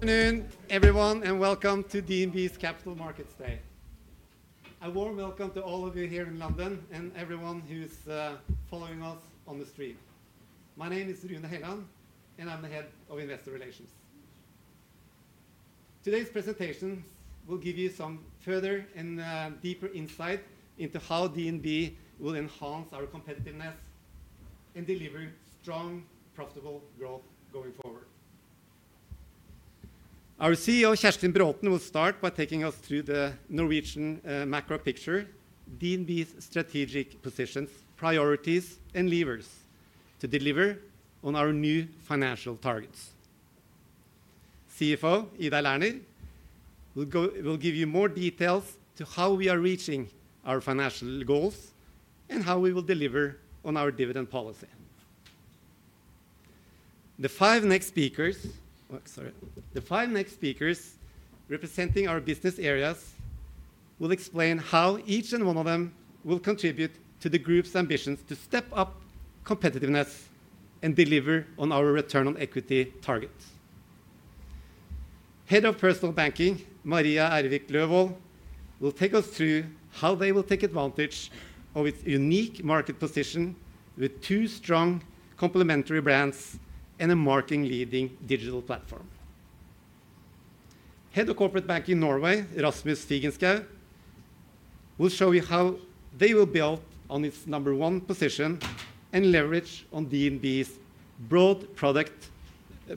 Good afternoon, everyone, and welcome to DNB's Capital Markets Day. A warm welcome to all of you here in London and everyone who's following us on the stream. My name is Rune Helland, and I'm the Head of Investor Relations. Today's presentation will give you some further and deeper insight into how DNB will enhance our competitiveness and deliver strong, profitable growth going forward. Our CEO, Kjerstin Braathen, will start by taking us through the Norwegian macro picture, DNB's strategic positions, priorities, and levers to deliver on our new financial targets. CFO, Ida Lerner, will give you more details on how we are reaching our financial goals and how we will deliver on our dividend policy. The five next speakers, sorry, the five next speakers representing our business areas will explain how each and one of them will contribute to the Group's ambitions to step up competitiveness and deliver on our return on equity targets. Head of Personal Banking, Maria Ervik Løvold, will take us through how they will take advantage of its unique market position with two strong, complementary brands and a market-leading digital platform. Head of Corporate Banking Norway, Rasmus Figenschou, will show you how they will build on its number one position and leverage on DNB's broad product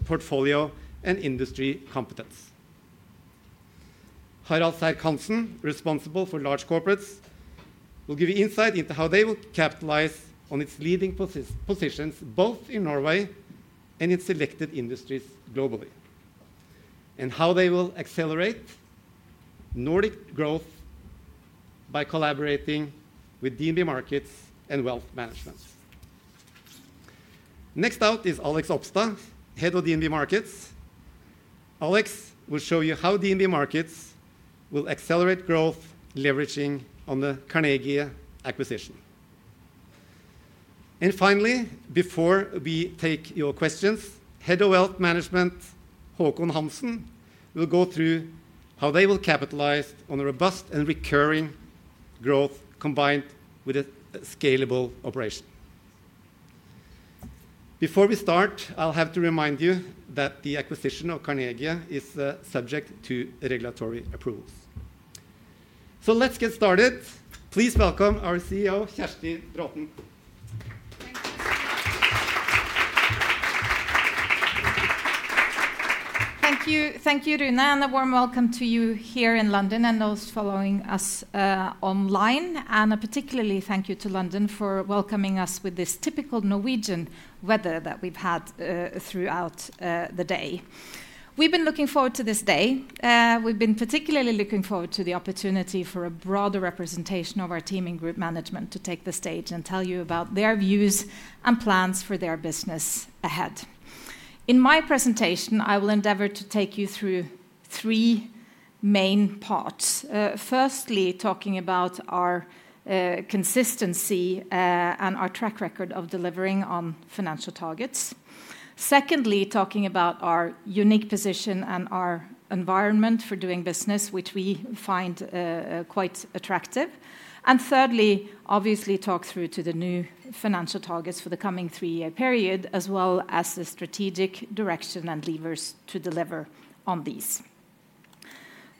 portfolio and industry competence. Harald Serck-Hanssen, responsible for large corporates, will give you insight into how they will capitalize on its leading positions both in Norway and in selected industries globally, and how they will accelerate Nordic growth by collaborating with DNB Markets and Wealth Management. Next up is Alex Opstad, Head of DNB Markets. Alex will show you how DNB Markets will accelerate growth, leveraging on the Carnegie acquisition. And finally, before we take your questions, Head of Wealth Management, Håkon Hansen, will go through how they will capitalize on robust and recurring growth combined with a scalable operation. Before we start, I'll have to remind you that the acquisition of Carnegie is subject to regulatory approvals. So let's get started. Please welcome our CEO, Kjerstin Braathen. Thank you. Thank you, Rune, and a warm welcome to you here in London and those following us online, and a particular thank you to London for welcoming us with this typical Norwegian weather that we've had throughout the day. We've been looking forward to this day. We've been particularly looking forward to the opportunity for a broader representation of our team in Group Management to take the stage and tell you about their views and plans for their business ahead. In my presentation, I will endeavor to take you through three main parts. Firstly, talking about our consistency and our track record of delivering on financial targets. Secondly, talking about our unique position and our environment for doing business, which we find quite attractive. And thirdly, obviously, talk through the new financial targets for the coming three-year period, as well as the strategic direction and levers to deliver on these.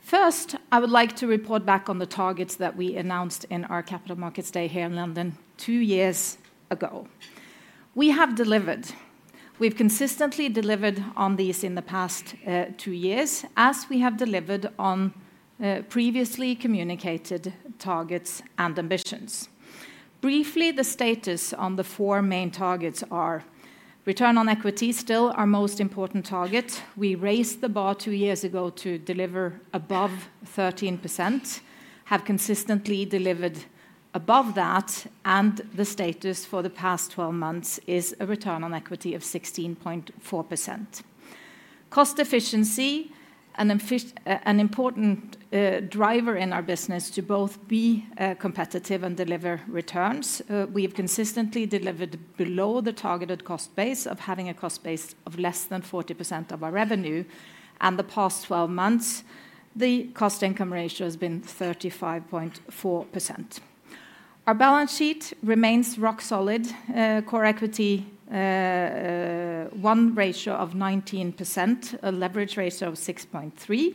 First, I would like to report back on the targets that we announced in our Capital Markets Day here in London two years ago. We have delivered. We've consistently delivered on these in the past two years, as we have delivered on previously communicated targets and ambitions. Briefly, the status on the four main targets are: return on equity still our most important target. We raised the bar two years ago to deliver above 13%, have consistently delivered above that, and the status for the past 12 months is a return on equity of 16.4%. Cost efficiency, an important driver in our business to both be competitive and deliver returns. We have consistently delivered below the targeted cost base of having a cost base of less than 40% of our revenue, and in the past 12 months, the cost-income ratio has been 35.4%. Our balance sheet remains rock solid, with a Core Equity Tier 1 ratio of 19% and a leverage ratio of 6.3%.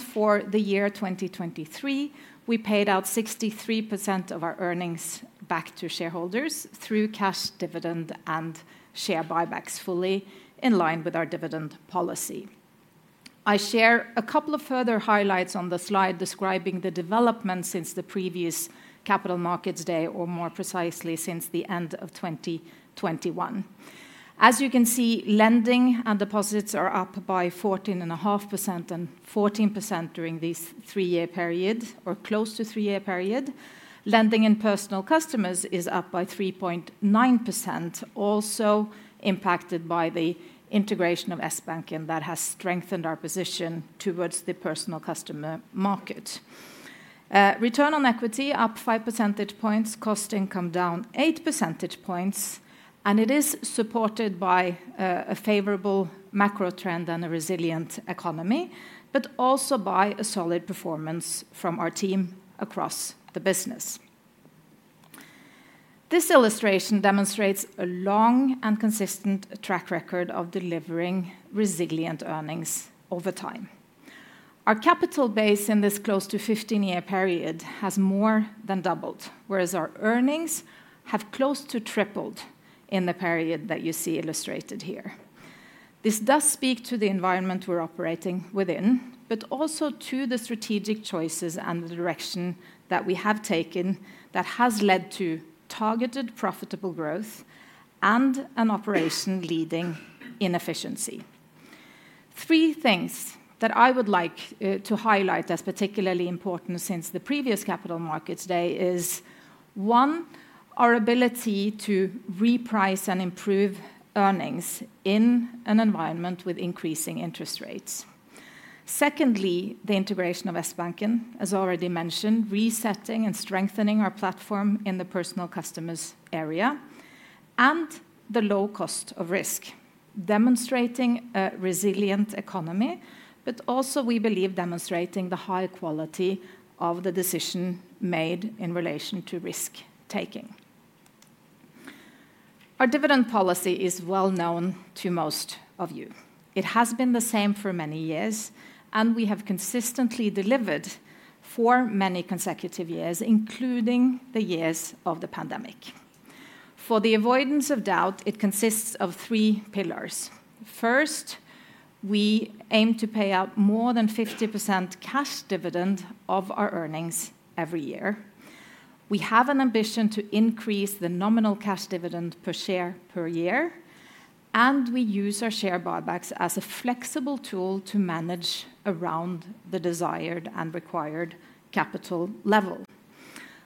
For the year 2023, we paid out 63% of our earnings back to shareholders through cash dividend and share buybacks, fully in line with our dividend policy. I share a couple of further highlights on the slide describing the developments since the previous Capital Markets Day, or more precisely, since the end of 2021. As you can see, lending and deposits are up by 14.5% and 14% during this three-year period, or close to three-year period. Lending in personal customers is up by 3.9%, also impacted by the integration of Sbanken that has strengthened our position towards the personal customer market. Return on equity up 5 percentage points, cost-income down 8 percentage points, and it is supported by a favorable macro trend and a resilient economy, but also by a solid performance from our team across the business. This illustration demonstrates a long and consistent track record of delivering resilient earnings over time. Our capital base in this close to 15-year period has more than doubled, whereas our earnings have close to tripled in the period that you see illustrated here. This does speak to the environment we're operating within, but also to the strategic choices and the direction that we have taken that has led to targeted profitable growth and an operation leading in efficiency. Three things that I would like to highlight as particularly important since the previous Capital Markets Day is, one, our ability to reprice and improve earnings in an environment with increasing interest rates. Secondly, the integration of Sbanken, as already mentioned, resetting and strengthening our platform in the personal customers area, and the low cost of risk, demonstrating a resilient economy, but also, we believe, demonstrating the high quality of the decision made in relation to risk-taking. Our dividend policy is well known to most of you. It has been the same for many years, and we have consistently delivered for many consecutive years, including the years of the pandemic. For the avoidance of doubt, it consists of three pillars. First, we aim to pay out more than 50% cash dividend of our earnings every year. We have an ambition to increase the nominal cash dividend per share per year, and we use our share buybacks as a flexible tool to manage around the desired and required capital level.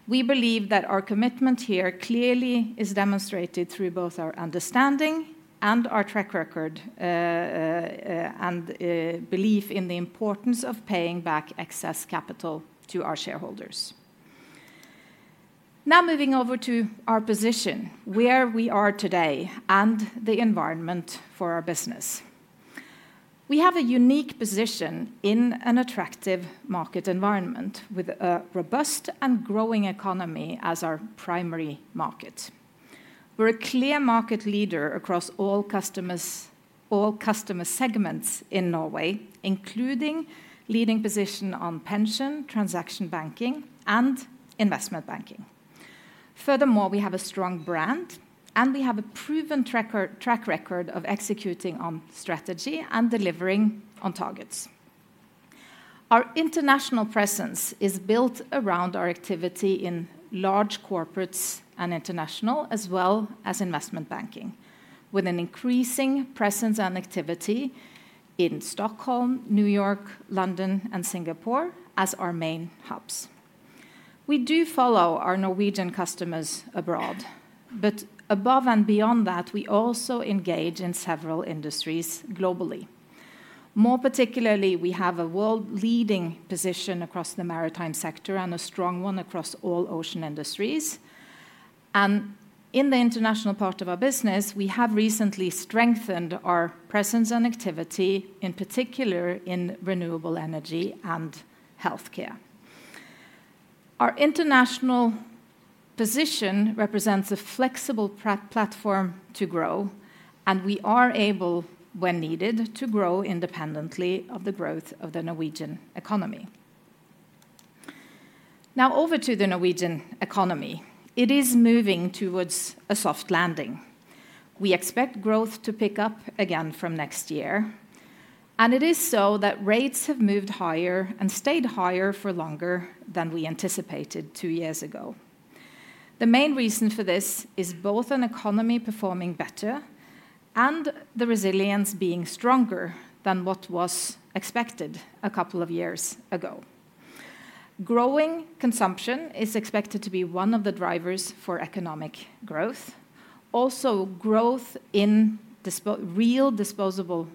We believe that our commitment here clearly is demonstrated through both our understanding and our track record and belief in the importance of paying back excess capital to our shareholders. Now, moving over to our position, where we are today and the environment for our business. We have a unique position in an attractive market environment with a robust and growing economy as our primary market. We're a clear market leader across all customer segments in Norway, including leading position on pension, transaction banking, and investment banking. Furthermore, we have a strong brand, and we have a proven track record of executing on strategy and delivering on targets. Our international presence is built around our activity in Large Corporates and International, as well as investment banking, with an increasing presence and activity in Stockholm, New York, London, and Singapore as our main hubs. We do follow our Norwegian customers abroad, but above and beyond that, we also engage in several industries globally. More particularly, we have a world-leading position across the maritime sector and a strong one across all ocean industries. And in the international part of our business, we have recently strengthened our presence and activity, in particular in renewable energy and healthcare. Our international position represents a flexible platform to grow, and we are able, when needed, to grow independently of the growth of the Norwegian economy. Now, over to the Norwegian economy. It is moving towards a soft landing. We expect growth to pick up again from next year, and it is so that rates have moved higher and stayed higher for longer than we anticipated two years ago. The main reason for this is both an economy performing better and the resilience being stronger than what was expected a couple of years ago. Growing consumption is expected to be one of the drivers for economic growth. Also, growth in real disposable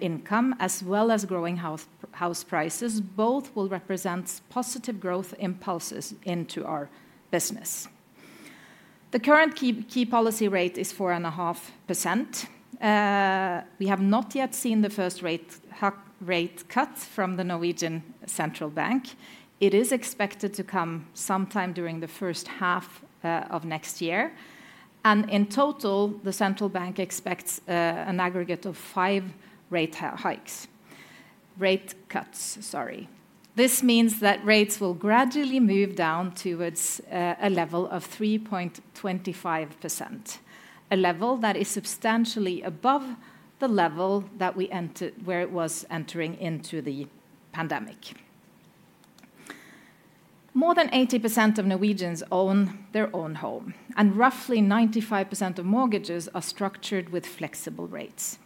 income, as well as growing house prices, both will represent positive growth impulses into our business. The current key policy rate is 4.5%. We have not yet seen the first rate cut from the Norwegian Central Bank. It is expected to come sometime during the first half of next year. And in total, the Central Bank expects an aggregate of five rate hikes. Rate cuts, sorry. This means that rates will gradually move down towards a level of 3.25%, a level that is substantially above the level where it was entering into the pandemic. More than 80% of Norwegians own their own home, and roughly 95% of mortgages are structured with flexible rates.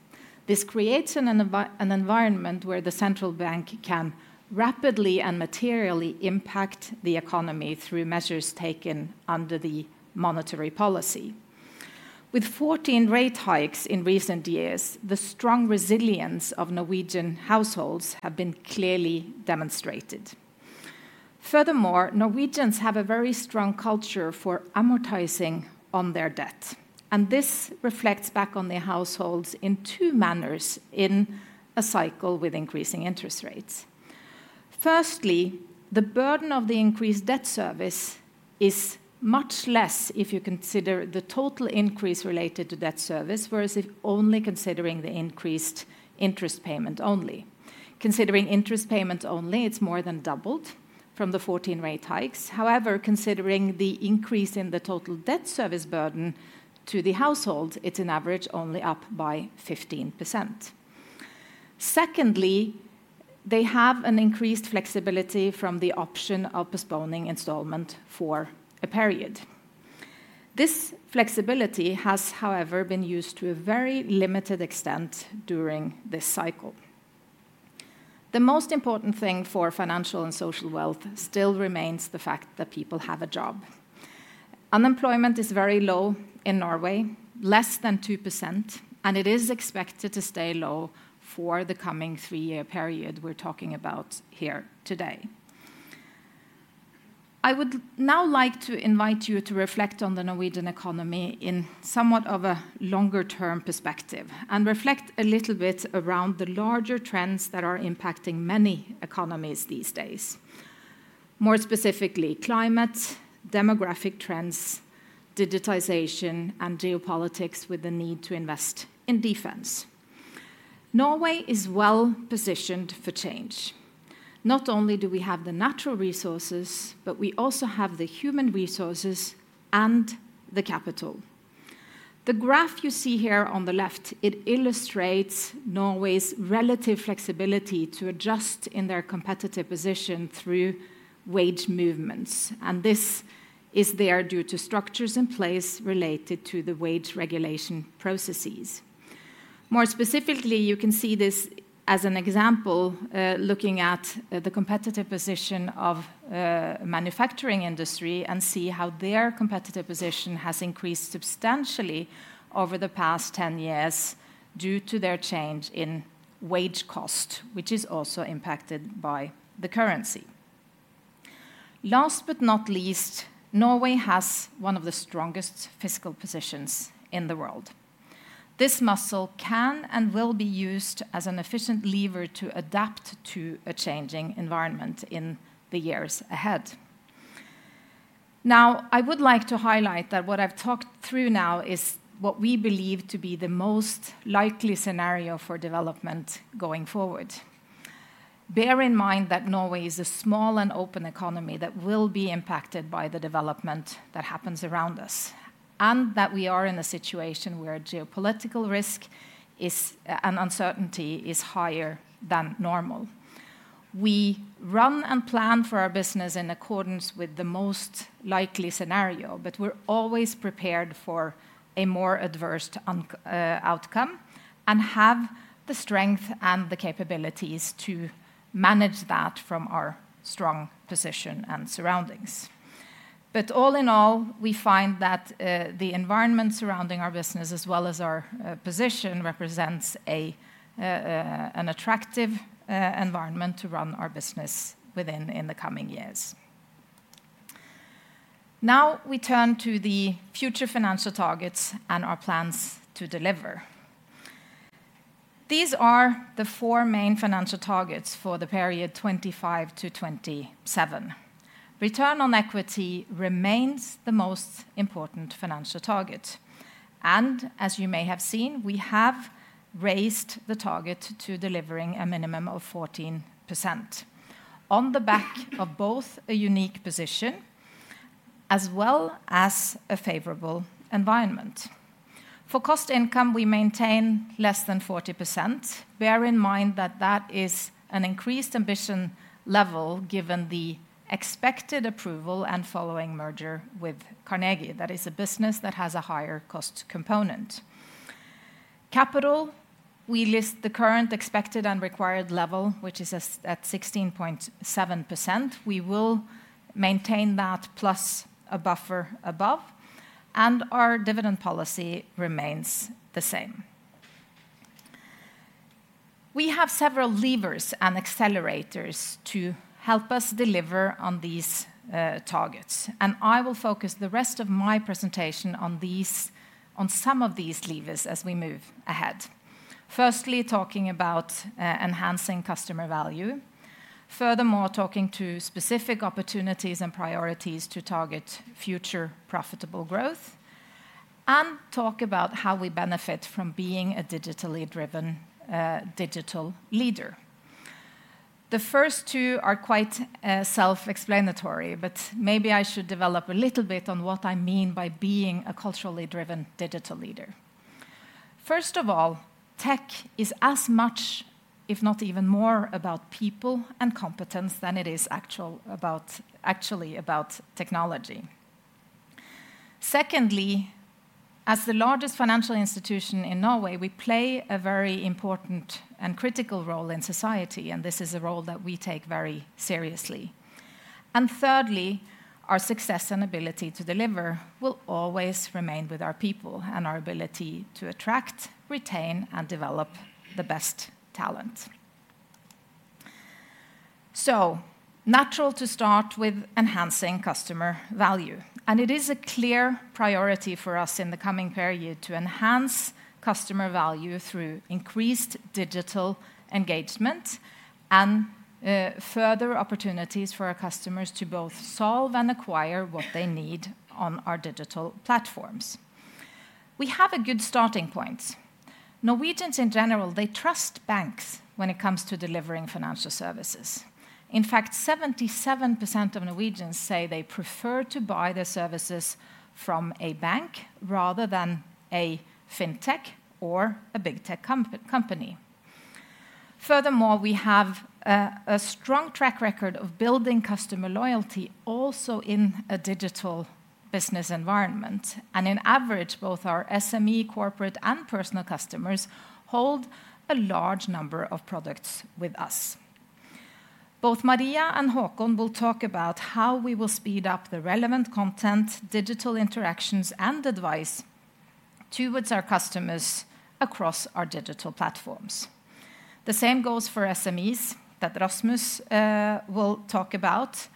This creates an environment where the Central Bank can rapidly and materially impact the economy through measures taken under the monetary policy. With 14 rate hikes in recent years, the strong resilience of Norwegian households has been clearly demonstrated. Furthermore, Norwegians have a very strong culture for amortizing on their debt, and this reflects back on their households in two manners in a cycle with increasing interest rates. Firstly, the burden of the increased debt service is much less if you consider the total increase related to debt service, whereas if only considering the increased interest payment only. Considering interest payment only, it's more than doubled from the 14 rate hikes. However, considering the increase in the total debt service burden to the household, it's an average only up by 15%. Secondly, they have an increased flexibility from the option of postponing installment for a period. This flexibility has, however, been used to a very limited extent during this cycle. The most important thing for financial and social wealth still remains the fact that people have a job. Unemployment is very low in Norway, less than 2%, and it is expected to stay low for the coming three-year period we're talking about here today. I would now like to invite you to reflect on the Norwegian economy in somewhat of a longer-term perspective and reflect a little bit around the larger trends that are impacting many economies these days. More specifically, climate, demographic trends, digitization, and geopolitics with the need to invest in defense. Norway is well positioned for change. Not only do we have the natural resources, but we also have the human resources and the capital. The graph you see here on the left, it illustrates Norway's relative flexibility to adjust in their competitive position through wage movements, and this is there due to structures in place related to the wage regulation processes. More specifically, you can see this as an example, looking at the competitive position of the manufacturing industry and see how their competitive position has increased substantially over the past 10 years due to their change in wage cost, which is also impacted by the currency. Last but not least, Norway has one of the strongest fiscal positions in the world. This muscle can and will be used as an efficient lever to adapt to a changing environment in the years ahead. Now, I would like to highlight that what I've talked through now is what we believe to be the most likely scenario for development going forward. Bear in mind that Norway is a small and open economy that will be impacted by the development that happens around us, and that we are in a situation where geopolitical risk and uncertainty is higher than normal. We run and plan for our business in accordance with the most likely scenario, but we're always prepared for a more adverse outcome and have the strength and the capabilities to manage that from our strong position and surroundings. But all in all, we find that the environment surrounding our business, as well as our position, represents an attractive environment to run our business within in the coming years. Now, we turn to the future financial targets and our plans to deliver. These are the four main financial targets for the period 2025 to 2027. Return on equity remains the most important financial target, and as you may have seen, we have raised the target to delivering a minimum of 14% on the back of both a unique position as well as a favorable environment. For cost-income, we maintain less than 40%. Bear in mind that that is an increased ambition level given the expected approval and following merger with Carnegie. That is a business that has a higher cost component. Capital, we list the current expected and required level, which is at 16.7%. We will maintain that plus a buffer above, and our dividend policy remains the same. We have several levers and accelerators to help us deliver on these targets, and I will focus the rest of my presentation on some of these levers as we move ahead. Firstly, talking about enhancing customer value. Furthermore, talking to specific opportunities and priorities to target future profitable growth, and talk about how we benefit from being a digitally driven digital leader. The first two are quite self-explanatory, but maybe I should develop a little bit on what I mean by being a culturally driven digital leader. First of all, tech is as much, if not even more, about people and competence than it is actually about technology. Secondly, as the largest financial institution in Norway, we play a very important and critical role in society, and this is a role that we take very seriously, and thirdly, our success and ability to deliver will always remain with our people and our ability to attract, retain, and develop the best talent, so natural to start with enhancing customer value, and it is a clear priority for us in the coming period to enhance customer value through increased digital engagement and further opportunities for our customers to both solve and acquire what they need on our digital platforms. We have a good starting point. Norwegians, in general, they trust banks when it comes to delivering financial services. In fact, 77% of Norwegians say they prefer to buy their services from a bank rather than a fintech or a big tech company. Furthermore, we have a strong track record of building customer loyalty also in a digital business environment, and on average, both our SME, corporate, and personal customers hold a large number of products with us. Both Maria and Håkon will talk about how we will speed up the relevant content, digital interactions, and advice towards our customers across our digital platforms. The same goes for SMEs that Rasmus will talk about,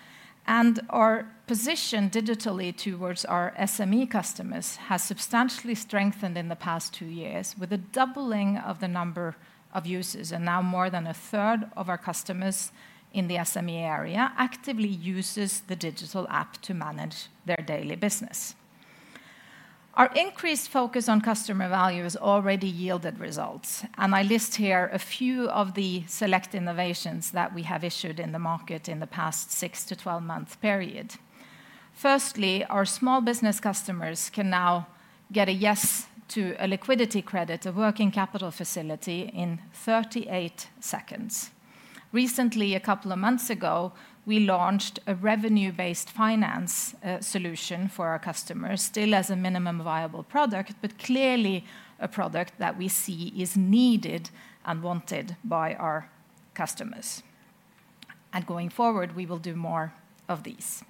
and our position digitally towards our SME customers has substantially strengthened in the past two years with a doubling of the number of users, and now more than a third of our customers in the SME area actively uses the digital app to manage their daily business. Our increased focus on customer value has already yielded results, and I list here a few of the select innovations that we have issued in the market in the past 6- to 12-month period. Firstly, our small business customers can now get a yes to a liquidity credit, a working capital facility in 38 seconds. Recently, a couple of months ago, we launched a revenue-based finance solution for our customers, still as a minimum viable product, but clearly a product that we see is needed and wanted by our customers. And going forward, we will do more of these.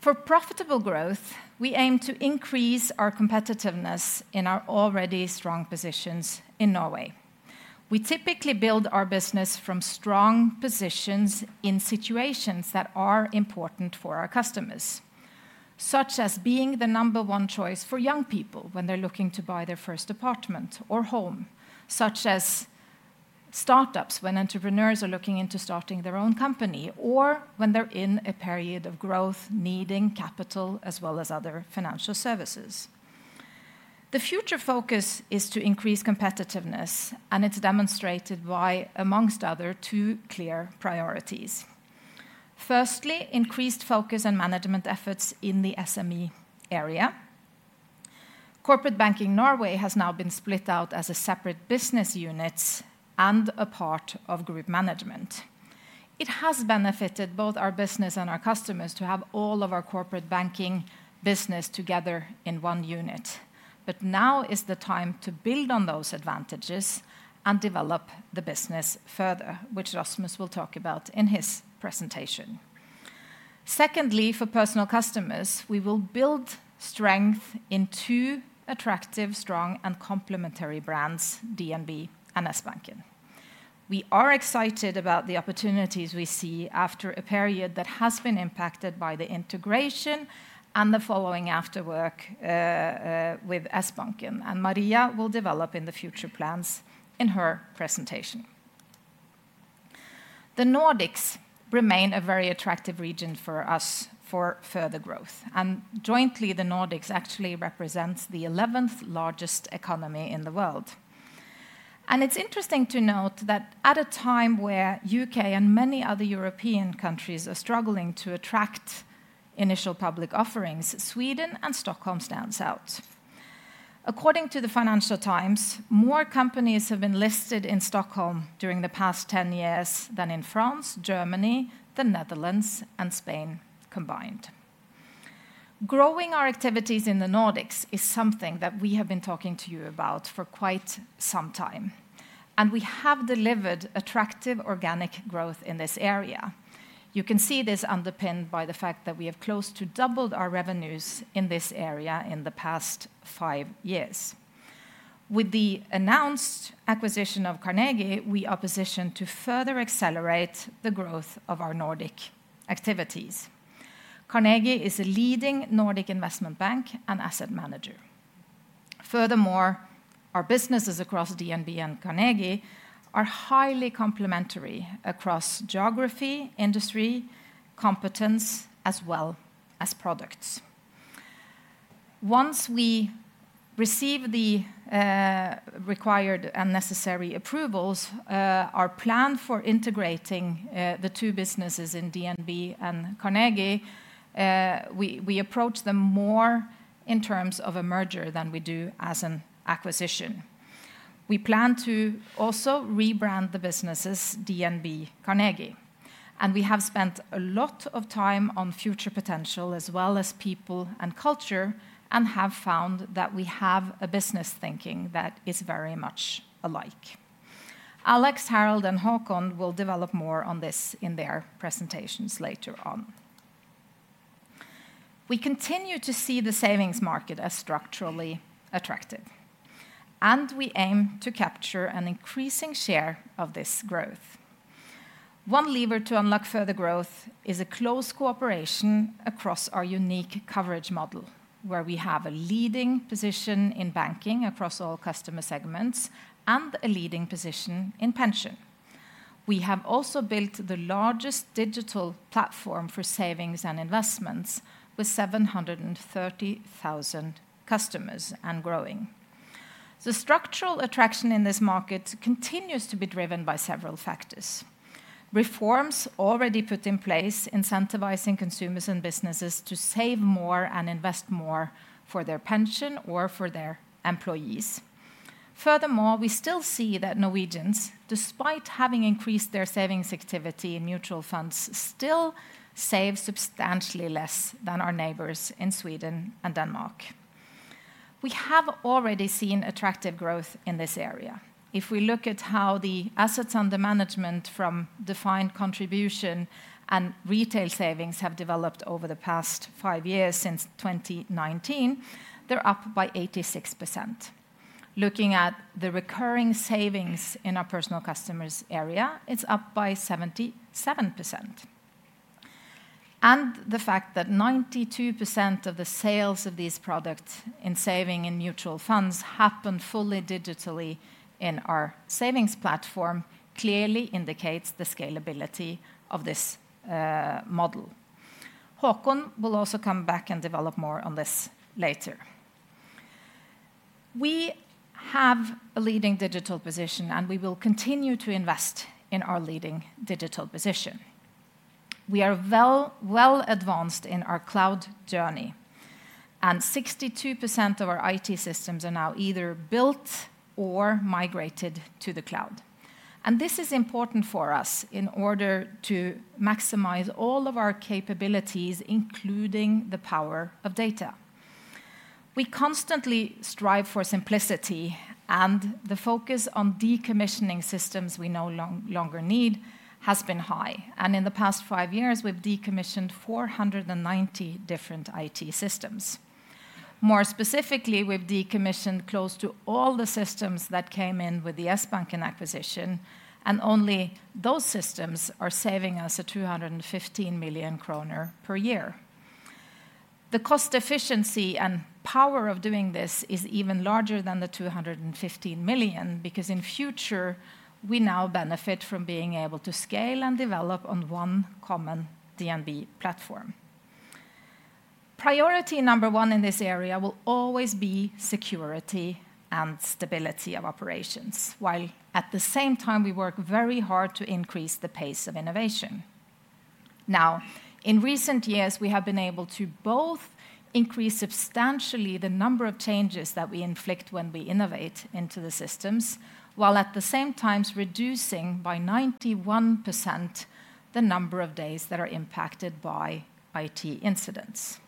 For profitable growth, we aim to increase our competitiveness in our already strong positions in Norway. We typically build our business from strong positions in situations that are important for our customers, such as being the number one choice for young people when they're looking to buy their first apartment or home, such as startups when entrepreneurs are looking into starting their own company, or when they're in a period of growth needing capital as well as other financial services. The future focus is to increase competitiveness, and it's demonstrated by, among other, two clear priorities. Firstly, increased focus and management efforts in the SME area. Corporate Banking Norway has now been split out as a separate business unit and a part of group management. It has benefited both our business and our customers to have all of our Corporate Banking business together in one unit, but now is the time to build on those advantages and develop the business further, which Rasmus will talk about in his presentation. Secondly, for personal customers, we will build strength in two attractive, strong, and complementary brands, DNB and Sbanken. We are excited about the opportunities we see after a period that has been impacted by the integration and the following aftermath with Sbanken, and Maria will develop in the future plans in her presentation. The Nordics remain a very attractive region for us for further growth, and jointly, the Nordics actually represents the 11th largest economy in the world. It's interesting to note that at a time where the UK and many other European countries are struggling to attract initial public offerings, Sweden and Stockholm stand out. According to the Financial Times, more companies have been listed in Stockholm during the past 10 years than in France, Germany, the Netherlands, and Spain combined. Growing our activities in the Nordics is something that we have been talking to you about for quite some time, and we have delivered attractive organic growth in this area. You can see this underpinned by the fact that we have close to doubled our revenues in this area in the past five years. With the announced acquisition of Carnegie, we are positioned to further accelerate the growth of our Nordic activities. Carnegie is a leading Nordic investment bank and asset manager. Furthermore, our businesses across DNB and Carnegie are highly complementary across geography, industry, competence, as well as products. Once we receive the required and necessary approvals, our plan for integrating the two businesses in DNB and Carnegie. We approach them more in terms of a merger than we do as an acquisition. We plan to also rebrand the businesses DNB Carnegie, and we have spent a lot of time on future potential as well as people and culture and have found that we have a business thinking that is very much alike. Alex, Harald, and Håkon will develop more on this in their presentations later on. We continue to see the savings market as structurally attractive, and we aim to capture an increasing share of this growth. One lever to unlock further growth is a close cooperation across our unique coverage model, where we have a leading position in banking across all customer segments and a leading position in pension. We have also built the largest digital platform for savings and investments with 730,000 customers and growing. The structural attraction in this market continues to be driven by several factors. Reforms already put in place incentivizing consumers and businesses to save more and invest more for their pension or for their employees. Furthermore, we still see that Norwegians, despite having increased their savings activity in mutual funds, still save substantially less than our neighbors in Sweden and Denmark. We have already seen attractive growth in this area. If we look at how the assets under management from defined contribution and retail savings have developed over the past five years since 2019, they're up by 86%. Looking at the recurring savings in our personal customers' area, it's up by 77%, and the fact that 92% of the sales of these products in saving in mutual funds happen fully digitally in our savings platform clearly indicates the scalability of this model. Håkon will also come back and develop more on this later. We have a leading digital position, and we will continue to invest in our leading digital position. We are well advanced in our cloud journey, and 62% of our IT systems are now either built or migrated to the cloud, and this is important for us in order to maximize all of our capabilities, including the power of data. We constantly strive for simplicity, and the focus on decommissioning systems we no longer need has been high, and in the past five years, we've decommissioned 490 different IT systems. More specifically, we've decommissioned close to all the systems that came in with the Sbanken acquisition, and only those systems are saving us 215 million kroner per year. The cost efficiency and power of doing this is even larger than the 215 million because in future, we now benefit from being able to scale and develop on one common DNB platform. Priority number one in this area will always be security and stability of operations, while at the same time, we work very hard to increase the pace of innovation. Now, in recent years, we have been able to both increase substantially the number of changes that we inflict when we innovate into the systems, while at the same time reducing by 91% the number of days that are impacted by IT incidents.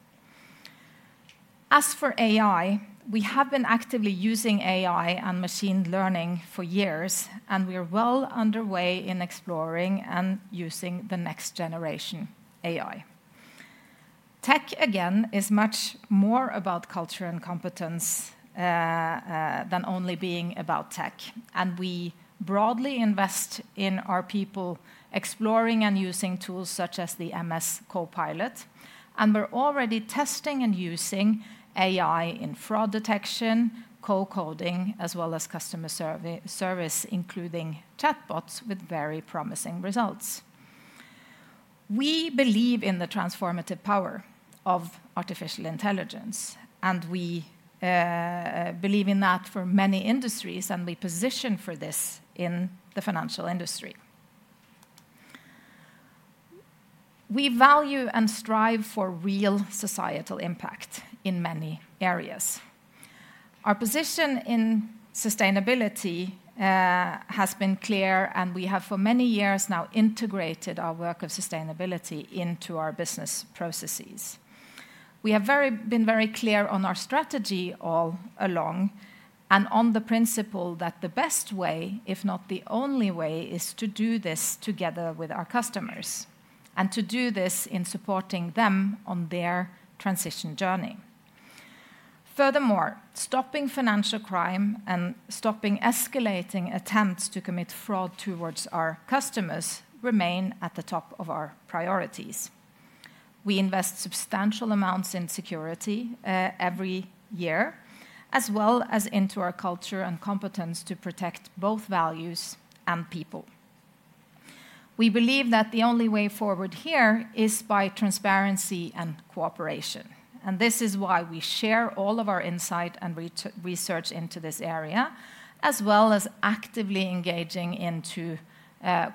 As for AI, we have been actively using AI and machine learning for years, and we are well underway in exploring and using the next generation AI. Tech, again, is much more about culture and competence than only being about tech, and we broadly invest in our people exploring and using tools such as the MS Copilot, and we're already testing and using AI in fraud detection, co-coding, as well as customer service, including chatbots, with very promising results. We believe in the transformative power of artificial intelligence, and we believe in that for many industries, and we position for this in the financial industry. We value and strive for real societal impact in many areas. Our position in sustainability has been clear, and we have for many years now integrated our work of sustainability into our business processes. We have been very clear on our strategy all along and on the principle that the best way, if not the only way, is to do this together with our customers and to do this in supporting them on their transition journey. Furthermore, stopping financial crime and stopping escalating attempts to commit fraud towards our customers remain at the top of our priorities. We invest substantial amounts in security every year, as well as into our culture and competence to protect both values and people. We believe that the only way forward here is by transparency and cooperation, and this is why we share all of our insight and research into this area, as well as actively engaging into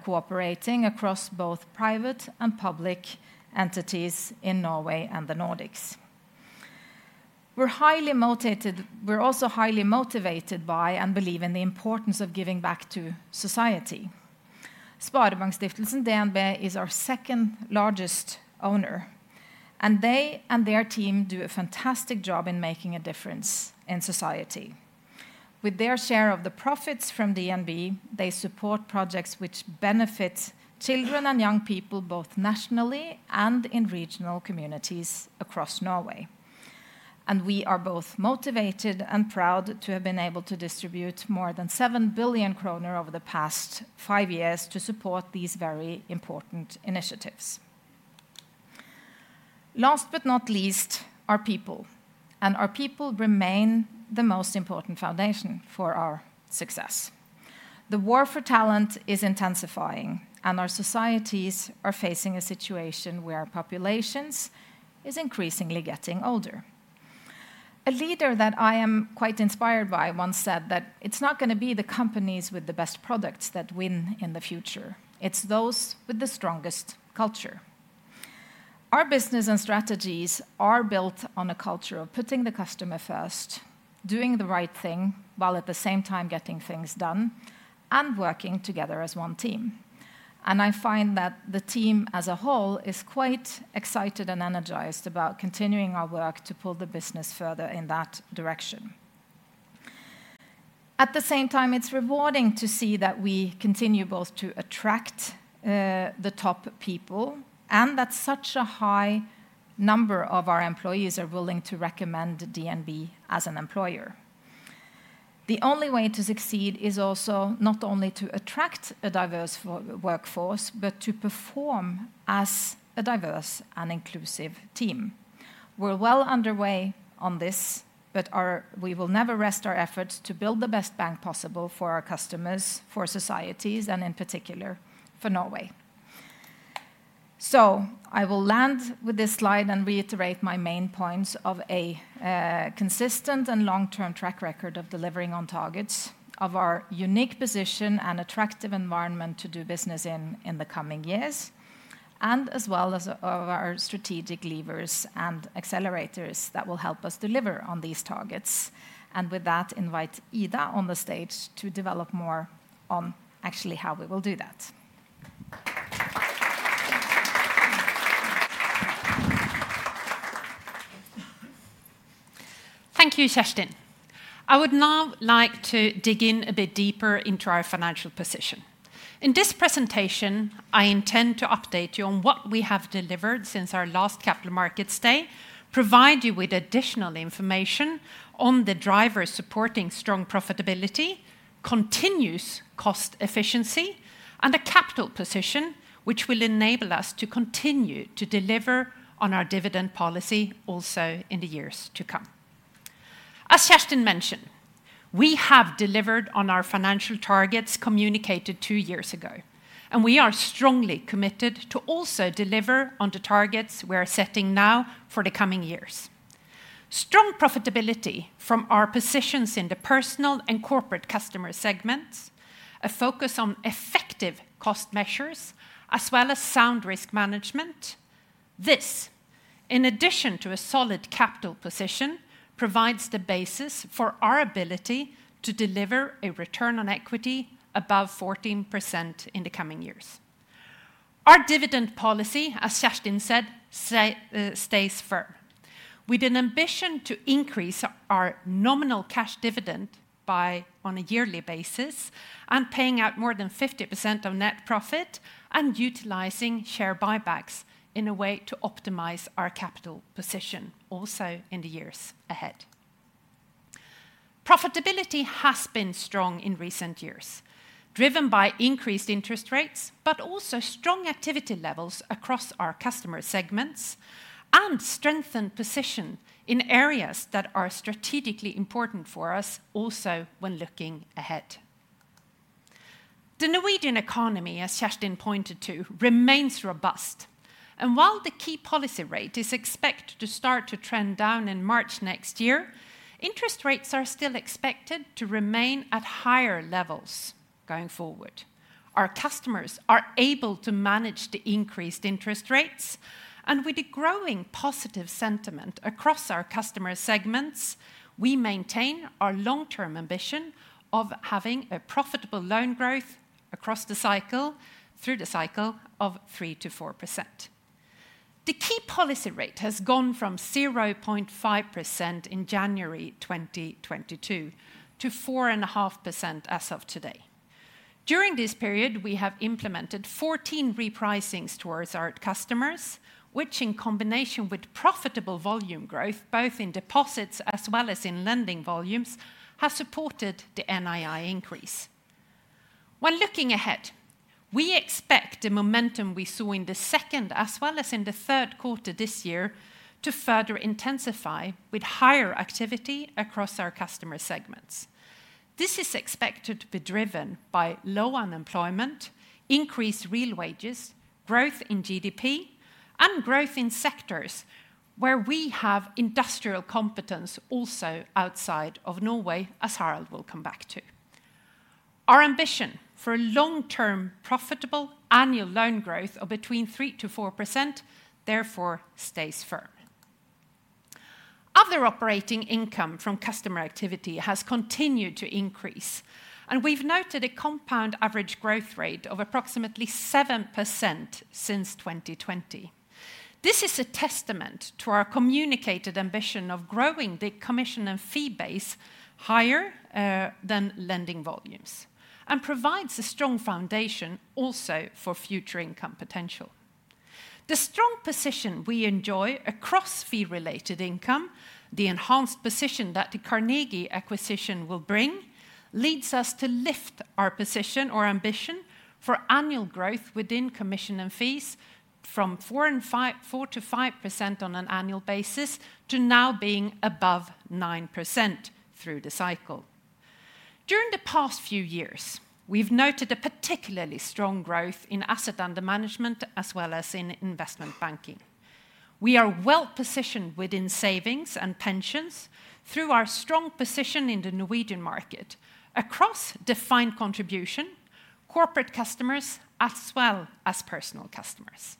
cooperating across both private and public entities in Norway and the Nordics. We're also highly motivated by and believe in the importance of giving back to society. Sparebankstiftelsen DNB is our second largest owner, and they and their team do a fantastic job in making a difference in society. With their share of the profits from DNB, they support projects which benefit children and young people both nationally and in regional communities across Norway. And we are both motivated and proud to have been able to distribute more than 7 billion kroner over the past five years to support these very important initiatives. Last but not least, our people, and our people remain the most important foundation for our success. The war for talent is intensifying, and our societies are facing a situation where our populations are increasingly getting older. A leader that I am quite inspired by once said that it's not going to be the companies with the best products that win in the future. It's those with the strongest culture. Our business and strategies are built on a culture of putting the customer first, doing the right thing while at the same time getting things done and working together as one team. And I find that the team as a whole is quite excited and energized about continuing our work to pull the business further in that direction. At the same time, it's rewarding to see that we continue both to attract the top people and that such a high number of our employees are willing to recommend DNB as an employer. The only way to succeed is also not only to attract a diverse workforce, but to perform as a diverse and inclusive team. We're well underway on this, but we will never rest our efforts to build the best bank possible for our customers, for societies, and in particular for Norway. I will land with this slide and reiterate my main points of a consistent and long-term track record of delivering on targets of our unique position and attractive environment to do business in the coming years, and as well as of our strategic levers and accelerators that will help us deliver on these targets. And with that, invite Ida on the stage to develop more on actually how we will do that. Thank you, Kjerstin. I would now like to dig in a bit deeper into our financial position. In this presentation, I intend to update you on what we have delivered since our last Capital Markets Day, provide you with additional information on the drivers supporting strong profitability, continuous cost efficiency, and a capital position which will enable us to continue to deliver on our dividend policy also in the years to come. As Kjerstin mentioned, we have delivered on our financial targets communicated two years ago, and we are strongly committed to also deliver on the targets we are setting now for the coming years. Strong profitability from our positions in the personal and corporate customer segments, a focus on effective cost measures, as well as sound risk management. This, in addition to a solid capital position, provides the basis for our ability to deliver a return on equity above 14% in the coming years. Our dividend policy, as Kjerstin said, stays firm, with an ambition to increase our nominal cash dividend by on a yearly basis and paying out more than 50% of net profit and utilizing share buybacks in a way to optimize our capital position also in the years ahead. Profitability has been strong in recent years, driven by increased interest rates, but also strong activity levels across our customer segments and strengthened position in areas that are strategically important for us also when looking ahead. The Norwegian economy, as Kjerstin pointed to, remains robust, and while the key policy rate is expected to start to trend down in March next year, interest rates are still expected to remain at higher levels going forward. Our customers are able to manage the increased interest rates, and with the growing positive sentiment across our customer segments, we maintain our long-term ambition of having a profitable loan growth across the cycle through the cycle of 3%-4%. The key policy rate has gone from 0.5% in January 2022 to 4.5% as of today. During this period, we have implemented 14 repricings towards our customers, which in combination with profitable volume growth both in deposits as well as in lending volumes has supported the NII increase. When looking ahead, we expect the momentum we saw in the second as well as in the third quarter this year to further intensify with higher activity across our customer segments. This is expected to be driven by low unemployment, increased real wages, growth in GDP, and growth in sectors where we have industrial competence also outside of Norway, as Harald will come back to. Our ambition for long-term profitable annual loan growth of between 3%-4% therefore stays firm. Other operating income from customer activity has continued to increase, and we've noted a compound average growth rate of approximately 7% since 2020. This is a testament to our communicated ambition of growing the commission and fee base higher than lending volumes and provides a strong foundation also for future income potential. The strong position we enjoy across fee-related income, the enhanced position that the Carnegie acquisition will bring, leads us to lift our position or ambition for annual growth within commission and fees from 4%-5% on an annual basis to now being above 9% through the cycle. During the past few years, we've noted a particularly strong growth in assets under management as well as in investment banking. We are well positioned within savings and pensions through our strong position in the Norwegian market across defined contribution, corporate customers, as well as personal customers.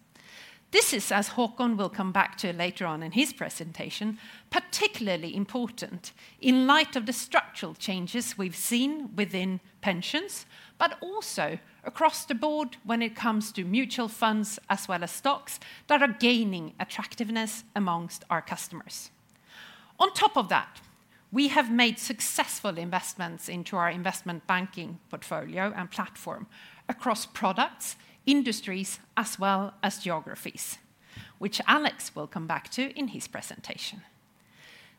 This is, as Håkon will come back to later on in his presentation, particularly important in light of the structural changes we've seen within pensions, but also across the board when it comes to mutual funds as well as stocks that are gaining attractiveness among our customers. On top of that, we have made successful investments into our investment banking portfolio and platform across products, industries, as well as geographies, which Alex will come back to in his presentation.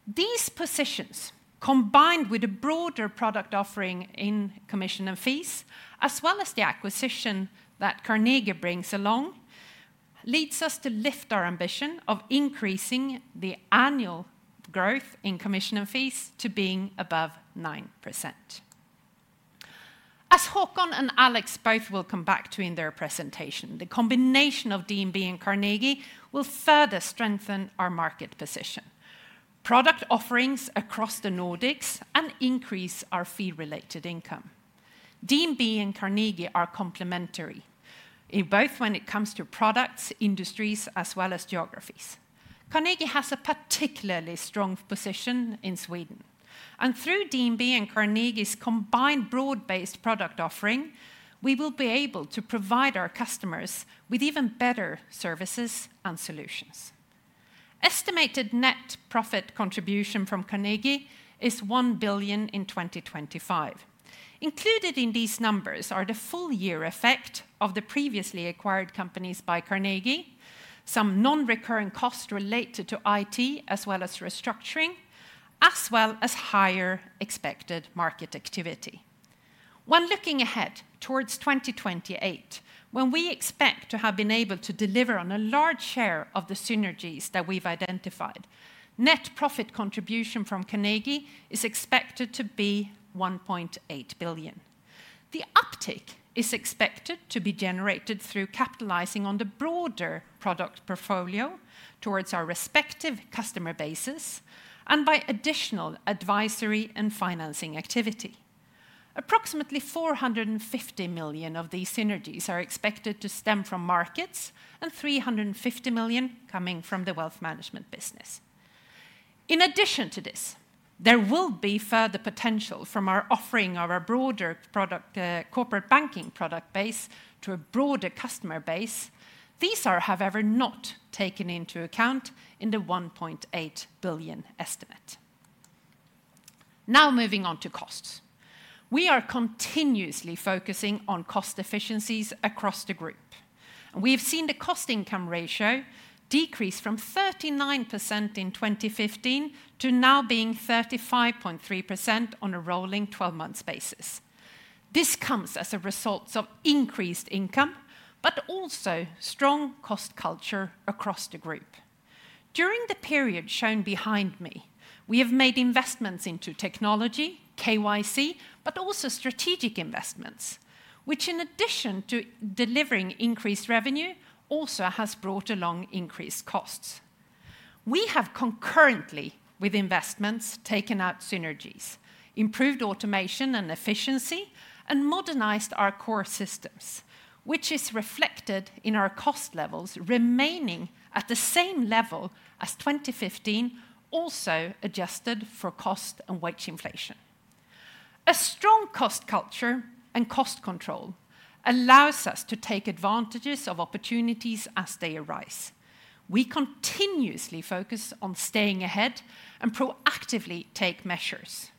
These positions, combined with a broader product offering in commission and fees, as well as the acquisition that Carnegie brings along, leads us to lift our ambition of increasing the annual growth in commission and fees to being above 9%. As Håkon and Alex both will come back to in their presentation, the combination of DNB and Carnegie will further strengthen our market position, product offerings across the Nordics, and increase our fee-related income. DNB and Carnegie are complementary, both when it comes to products, industries, as well as geographies. Carnegie has a particularly strong position in Sweden, and through DNB and Carnegie's combined broad-based product offering, we will be able to provide our customers with even better services and solutions. Estimated net profit contribution from Carnegie is 1 billion in 2025. Included in these numbers are the full year effect of the previously acquired companies by Carnegie, some non-recurring costs related to IT as well as restructuring, as well as higher expected market activity. When looking ahead towards 2028, when we expect to have been able to deliver on a large share of the synergies that we've identified, net profit contribution from Carnegie is expected to be 1.8 billion. The uptick is expected to be generated through capitalizing on the broader product portfolio towards our respective customer bases and by additional advisory and financing activity. Approximately 450 million of these synergies are expected to stem from markets and 350 million coming from the Wealth Management business. In addition to this, there will be further potential from our offering of our broader Corporate Banking product base to a broader customer base. These are, however, not taken into account in the 1.8 billion estimate. Now moving on to costs. We are continuously focusing on cost efficiencies across the group, and we have seen the cost-income ratio decrease from 39% in 2015 to now being 35.3% on a rolling 12-month basis. This comes as a result of increased income, but also strong cost culture across the group. During the period shown behind me, we have made investments into technology, KYC, but also strategic investments, which in addition to delivering increased revenue also has brought along increased costs. We have concurrently with investments taken out synergies, improved automation and efficiency, and modernized our core systems, which is reflected in our cost levels remaining at the same level as 2015, also adjusted for cost and wage inflation. A strong cost culture and cost control allows us to take advantages of opportunities as they arise. We continuously focus on staying ahead and proactively take measures.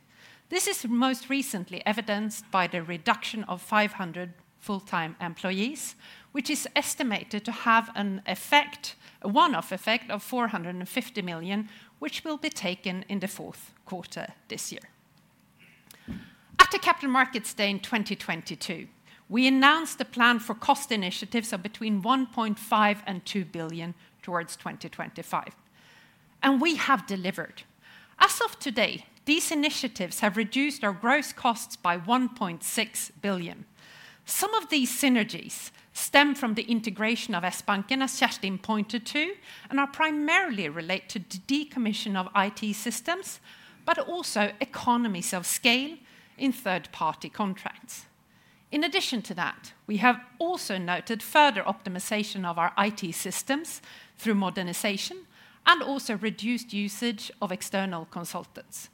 This is most recently evidenced by the reduction of 500 full-time employees, which is estimated to have an effect, a one-off effect of 450 million, which will be taken in the fourth quarter this year. After Capital Markets Day in 2022, we announced the plan for cost initiatives of between 1.5-2 billion towards 2025, and we have delivered. As of today, these initiatives have reduced our gross costs by 1.6 billion. Some of these synergies stem from the integration of Sbanken, as Kjerstin pointed to, and are primarily related to the decommission of IT systems, but also economies of scale in third-party contracts. In addition to that, we have also noted further optimization of our IT systems through modernization and also reduced usage of external consultants.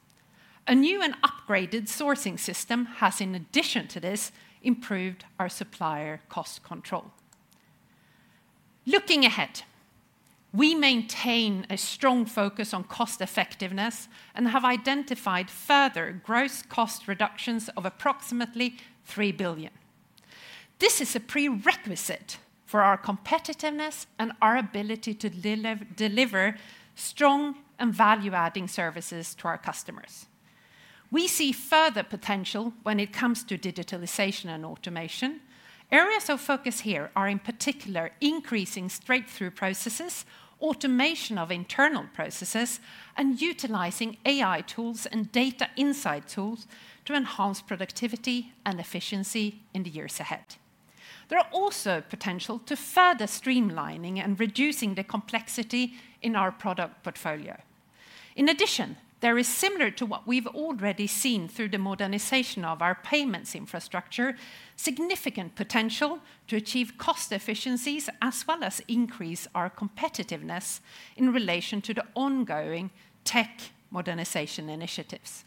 A new and upgraded sourcing system has, in addition to this, improved our supplier cost control. Looking ahead, we maintain a strong focus on cost effectiveness and have identified further gross cost reductions of approximately 3 billion. This is a prerequisite for our competitiveness and our ability to deliver strong and value-adding services to our customers. We see further potential when it comes to digitalization and automation. Areas of focus here are in particular increasing straight-through processes, automation of internal processes, and utilizing AI tools and data insight tools to enhance productivity and efficiency in the years ahead. There are also potential to further streamlining and reducing the complexity in our product portfolio. In addition, there is, similar to what we've already seen through the modernization of our payments infrastructure, significant potential to achieve cost efficiencies as well as increase our competitiveness in relation to the ongoing tech modernization initiatives.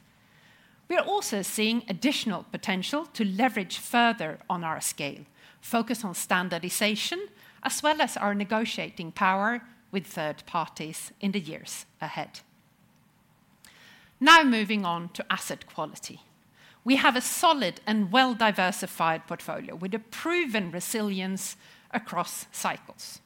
We are also seeing additional potential to leverage further on our scale, focus on standardization as well as our negotiating power with third parties in the years ahead. Now moving on to asset quality. We have a solid and well-diversified portfolio with a proven resilience across cycles.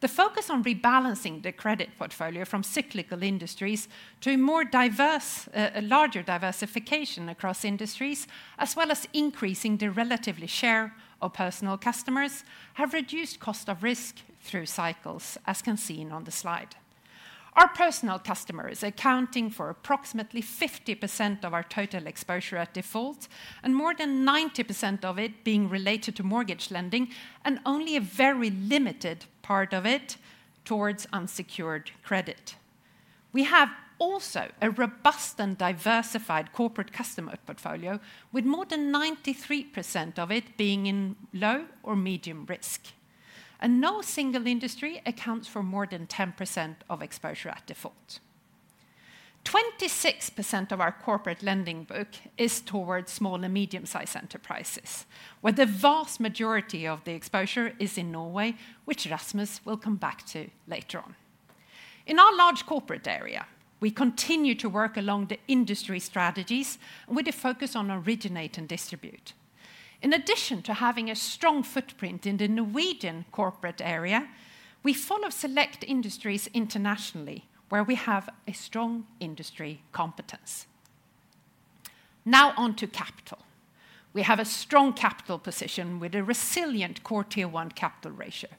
The focus on rebalancing the credit portfolio from cyclical industries to a larger diversification across industries, as well as increasing the relative share of personal customers, has reduced cost of risk through cycles, as can be seen on the slide. Our personal customers are accounting for approximately 50% of our total exposure at default and more than 90% of it being related to mortgage lending and only a very limited part of it towards unsecured credit. We have also a robust and diversified corporate customer portfolio, with more than 93% of it being in low or medium risk, and no single industry accounts for more than 10% of exposure at default. 26% of our corporate lending book is towards small and medium-sized enterprises, where the vast majority of the exposure is in Norway, which Rasmus will come back to later on. In our large corporate area, we continue to work along the industry strategies with a focus on originate and distribute. In addition to having a strong footprint in the Norwegian corporate area, we follow select industries internationally where we have a strong industry competence. Now on to capital. We have a strong capital position with a resilient CET1 capital ratio.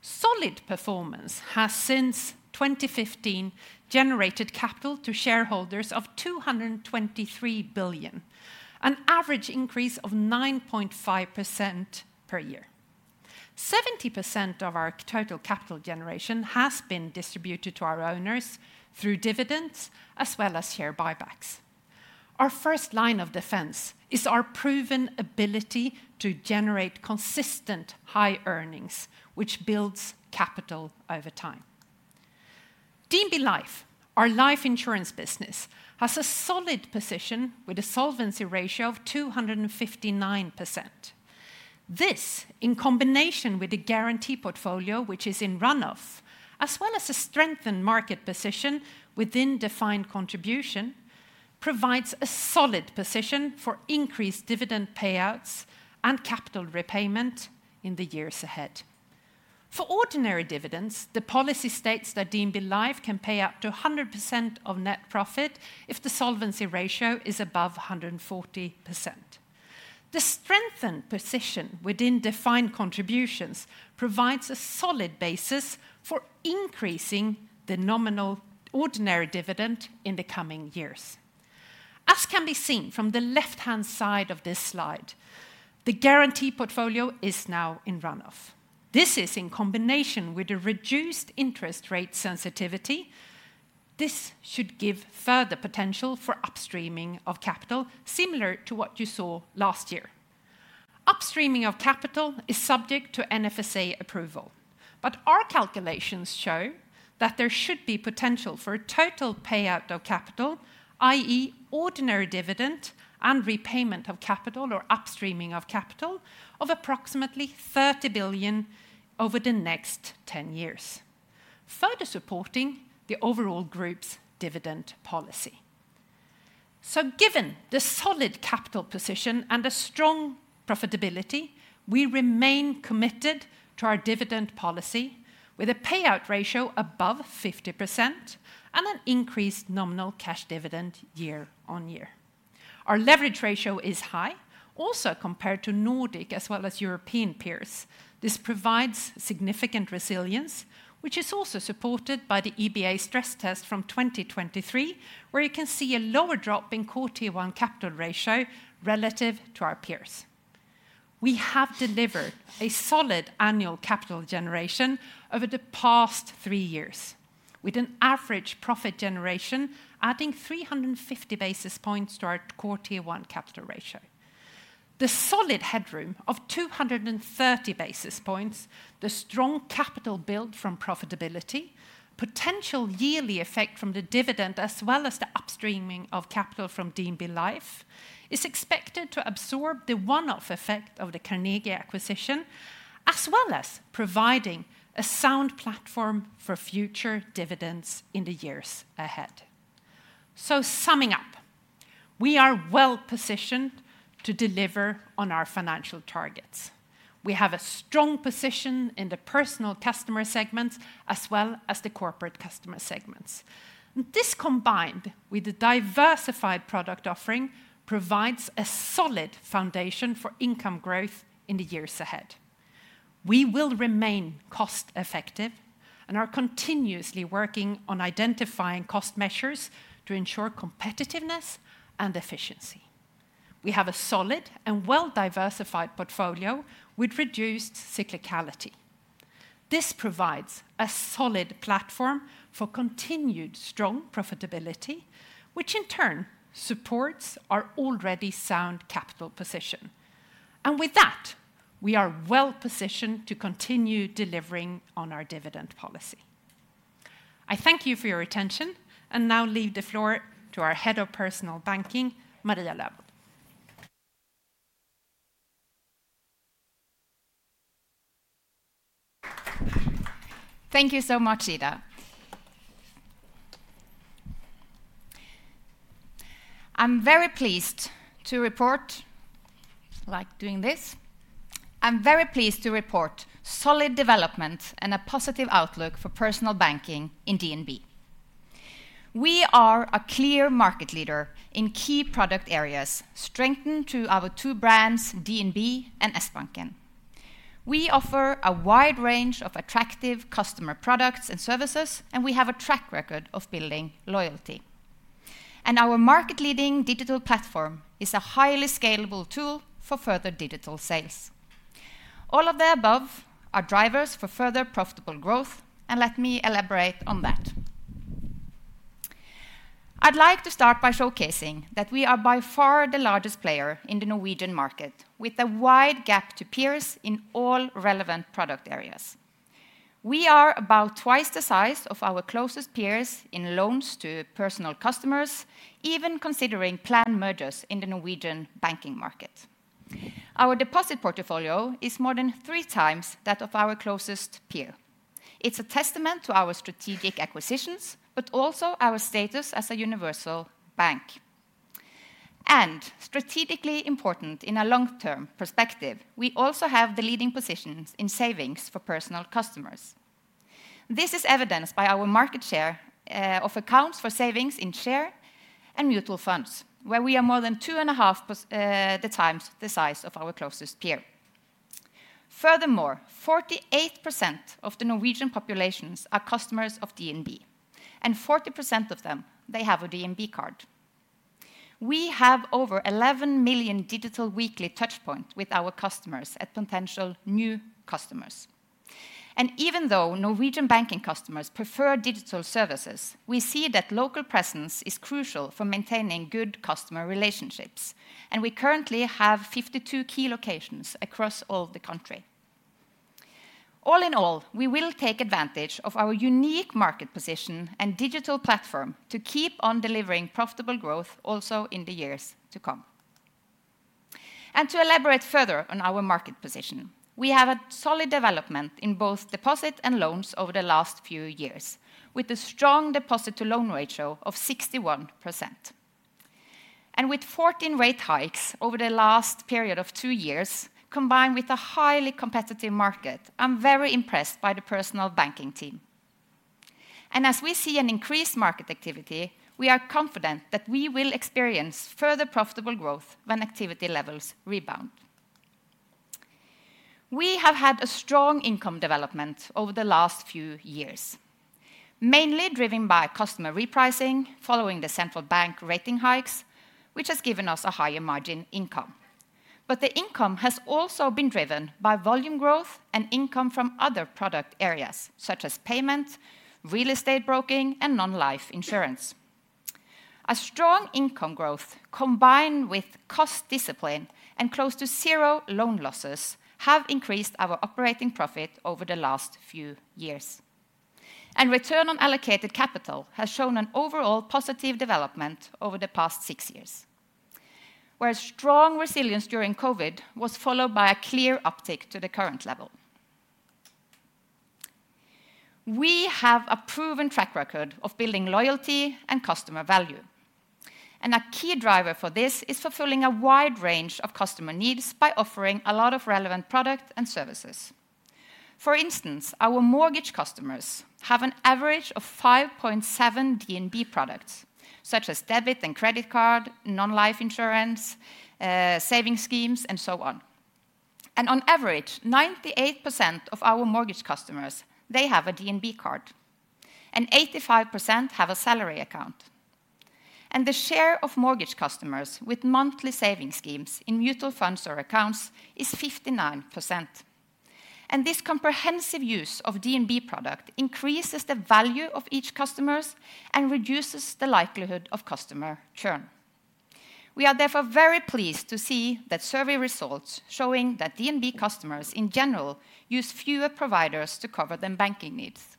Solid performance has since 2015 generated capital to shareholders of 223 billion NOK, an average increase of 9.5% per year. 70% of our total capital generation has been distributed to our owners through dividends as well as share buybacks. Our first line of defense is our proven ability to generate consistent high earnings, which builds capital over time. DNB Life, our life insurance business, has a solid position with a solvency ratio of 259%. This, in combination with the guarantee portfolio, which is in runoff, as well as a strengthened market position within defined contribution, provides a solid position for increased dividend payouts and capital repayment in the years ahead. For ordinary dividends, the policy states that DNB Life can pay up to 100% of net profit if the solvency ratio is above 140%. The strengthened position within defined contributions provides a solid basis for increasing the nominal ordinary dividend in the coming years. As can be seen from the left-hand side of this slide, the guarantee portfolio is now in runoff. This is in combination with a reduced interest rate sensitivity. This should give further potential for upstreaming of capital, similar to what you saw last year. Upstreaming of capital is subject to NFSA approval, but our calculations show that there should be potential for a total payout of capital, i.e., ordinary dividend and repayment of capital or upstreaming of capital of approximately 30 billion NOK over the next 10 years, further supporting the overall group's dividend policy. So, given the solid capital position and a strong profitability, we remain committed to our dividend policy with a payout ratio above 50% and an increased nominal cash dividend year on year. Our leverage ratio is high, also compared to Nordic as well as European peers. This provides significant resilience, which is also supported by the EBA stress test from 2023, where you can see a lower drop in CET1 capital ratio relative to our peers. We have delivered a solid annual capital generation over the past three years, with an average profit generation adding 350 basis points to our CET1 capital ratio. The solid headroom of 230 basis points, the strong capital build from profitability, potential yearly effect from the dividend, as well as the upstreaming of capital from DNB Life, is expected to absorb the one-off effect of the Carnegie acquisition, as well as providing a sound platform for future dividends in the years ahead. So, summing up, we are well positioned to deliver on our financial targets. We have a strong position in the personal customer segments as well as the corporate customer segments. This combined with the diversified product offering provides a solid foundation for income growth in the years ahead. We will remain cost-effective and are continuously working on identifying cost measures to ensure competitiveness and efficiency. We have a solid and well-diversified portfolio with reduced cyclicality. This provides a solid platform for continued strong profitability, which in turn supports our already sound capital position. And with that, we are well positioned to continue delivering on our dividend policy. I thank you for your attention and now leave the floor to our head of Personal Banking, Maria Løvold. Thank you so much, Ida. I'm very pleased to report, like doing this. I'm very pleased to report solid development and a positive outlook for Personal Banking in DNB. We are a clear market leader in key product areas, strengthened through our two brands, DNB and Sbanken. We offer a wide range of attractive customer products and services, and we have a track record of building loyalty, and our market-leading digital platform is a highly scalable tool for further digital sales. All of the above are drivers for further profitable growth, and let me elaborate on that. I'd like to start by showcasing that we are by far the largest player in the Norwegian market, with a wide gap to peers in all relevant product areas. We are about twice the size of our closest peers in loans to personal customers, even considering planned mergers in the Norwegian banking market. Our deposit portfolio is more than three times that of our closest peer. It's a testament to our strategic acquisitions, but also our status as a universal bank, and strategically important in a long-term perspective, we also have the leading positions in savings for personal customers. This is evidenced by our market share of accounts for savings in share and mutual funds, where we are more than two and a half times the size of our closest peer. Furthermore, 48% of the Norwegian population are customers of DNB, and 40% of them, they have a DNB card. We have over 11 million digital weekly touchpoints with our customers and potential new customers, and even though Norwegian banking customers prefer digital services, we see that local presence is crucial for maintaining good customer relationships, and we currently have 52 key locations across the country. All in all, we will take advantage of our unique market position and digital platform to keep on delivering profitable growth also in the years to come. And to elaborate further on our market position, we have a solid development in both deposits and loans over the last few years, with a strong deposit-to-loan ratio of 61%. And with 14 rate hikes over the last period of two years, combined with a highly competitive market, I'm very impressed by the Personal Banking team. And as we see an increased market activity, we are confident that we will experience further profitable growth when activity levels rebound. We have had a strong income development over the last few years, mainly driven by customer repricing following the central bank rate hikes, which has given us a higher margin income. But the income has also been driven by volume growth and income from other product areas, such as payment, real estate broking, and non-life insurance. A strong income growth combined with cost discipline and close to zero loan losses have increased our operating profit over the last few years. Return on allocated capital has shown an overall positive development over the past six years, where strong resilience during COVID was followed by a clear uptick to the current level. We have a proven track record of building loyalty and customer value. A key driver for this is fulfilling a wide range of customer needs by offering a lot of relevant products and services. For instance, our mortgage customers have an average of 5.7 DNB products, such as debit and credit card, non-life insurance, savings schemes, and so on. On average, 98% of our mortgage customers, they have a DNB card, and 85% have a salary account. The share of mortgage customers with monthly savings schemes in mutual funds or accounts is 59%. This comprehensive use of DNB product increases the value of each customer and reduces the likelihood of customer churn. We are therefore very pleased to see that survey results showing that DNB customers in general use fewer providers to cover their banking needs.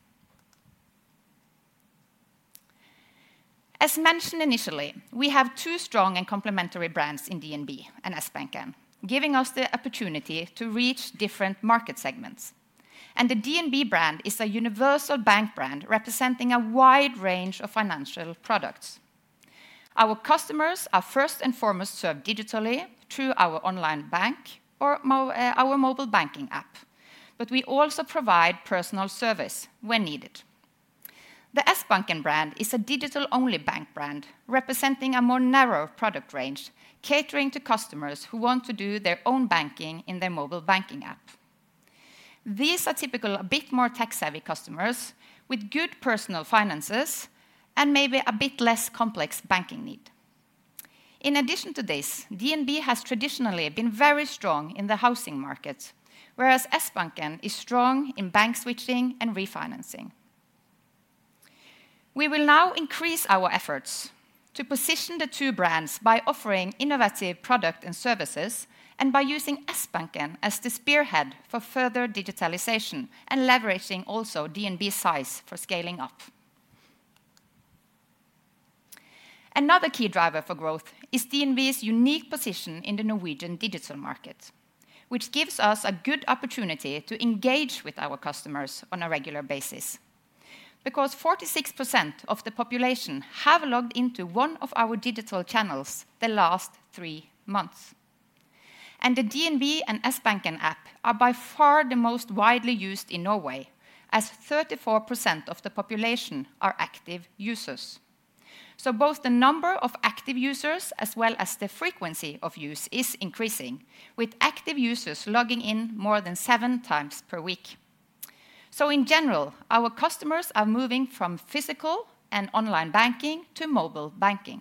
As mentioned initially, we have two strong and complementary brands in DNB and Sbanken, giving us the opportunity to reach different market segments. The DNB brand is a universal bank brand representing a wide range of financial products. Our customers are first and foremost served digitally through our online bank or our mobile banking app, but we also provide personal service when needed. The Sbanken brand is a digital-only bank brand representing a more narrow product range, catering to customers who want to do their own banking in their mobile banking app. These are typical, a bit more tech-savvy customers with good personal finances and maybe a bit less complex banking need. In addition to this, DNB has traditionally been very strong in the housing market, whereas Sbanken is strong in bank switching and refinancing. We will now increase our efforts to position the two brands by offering innovative products and services and by using Sbanken as the spearhead for further digitalization and leveraging also DNB's size for scaling up. Another key driver for growth is DNB's unique position in the Norwegian digital market, which gives us a good opportunity to engage with our customers on a regular basis, because 46% of the population have logged into one of our digital channels the last three months, and the DNB and Sbanken app are by far the most widely used in Norway, as 34% of the population are active users, so both the number of active users as well as the frequency of use is increasing, with active users logging in more than seven times per week, so in general, our customers are moving from physical and online banking to mobile banking.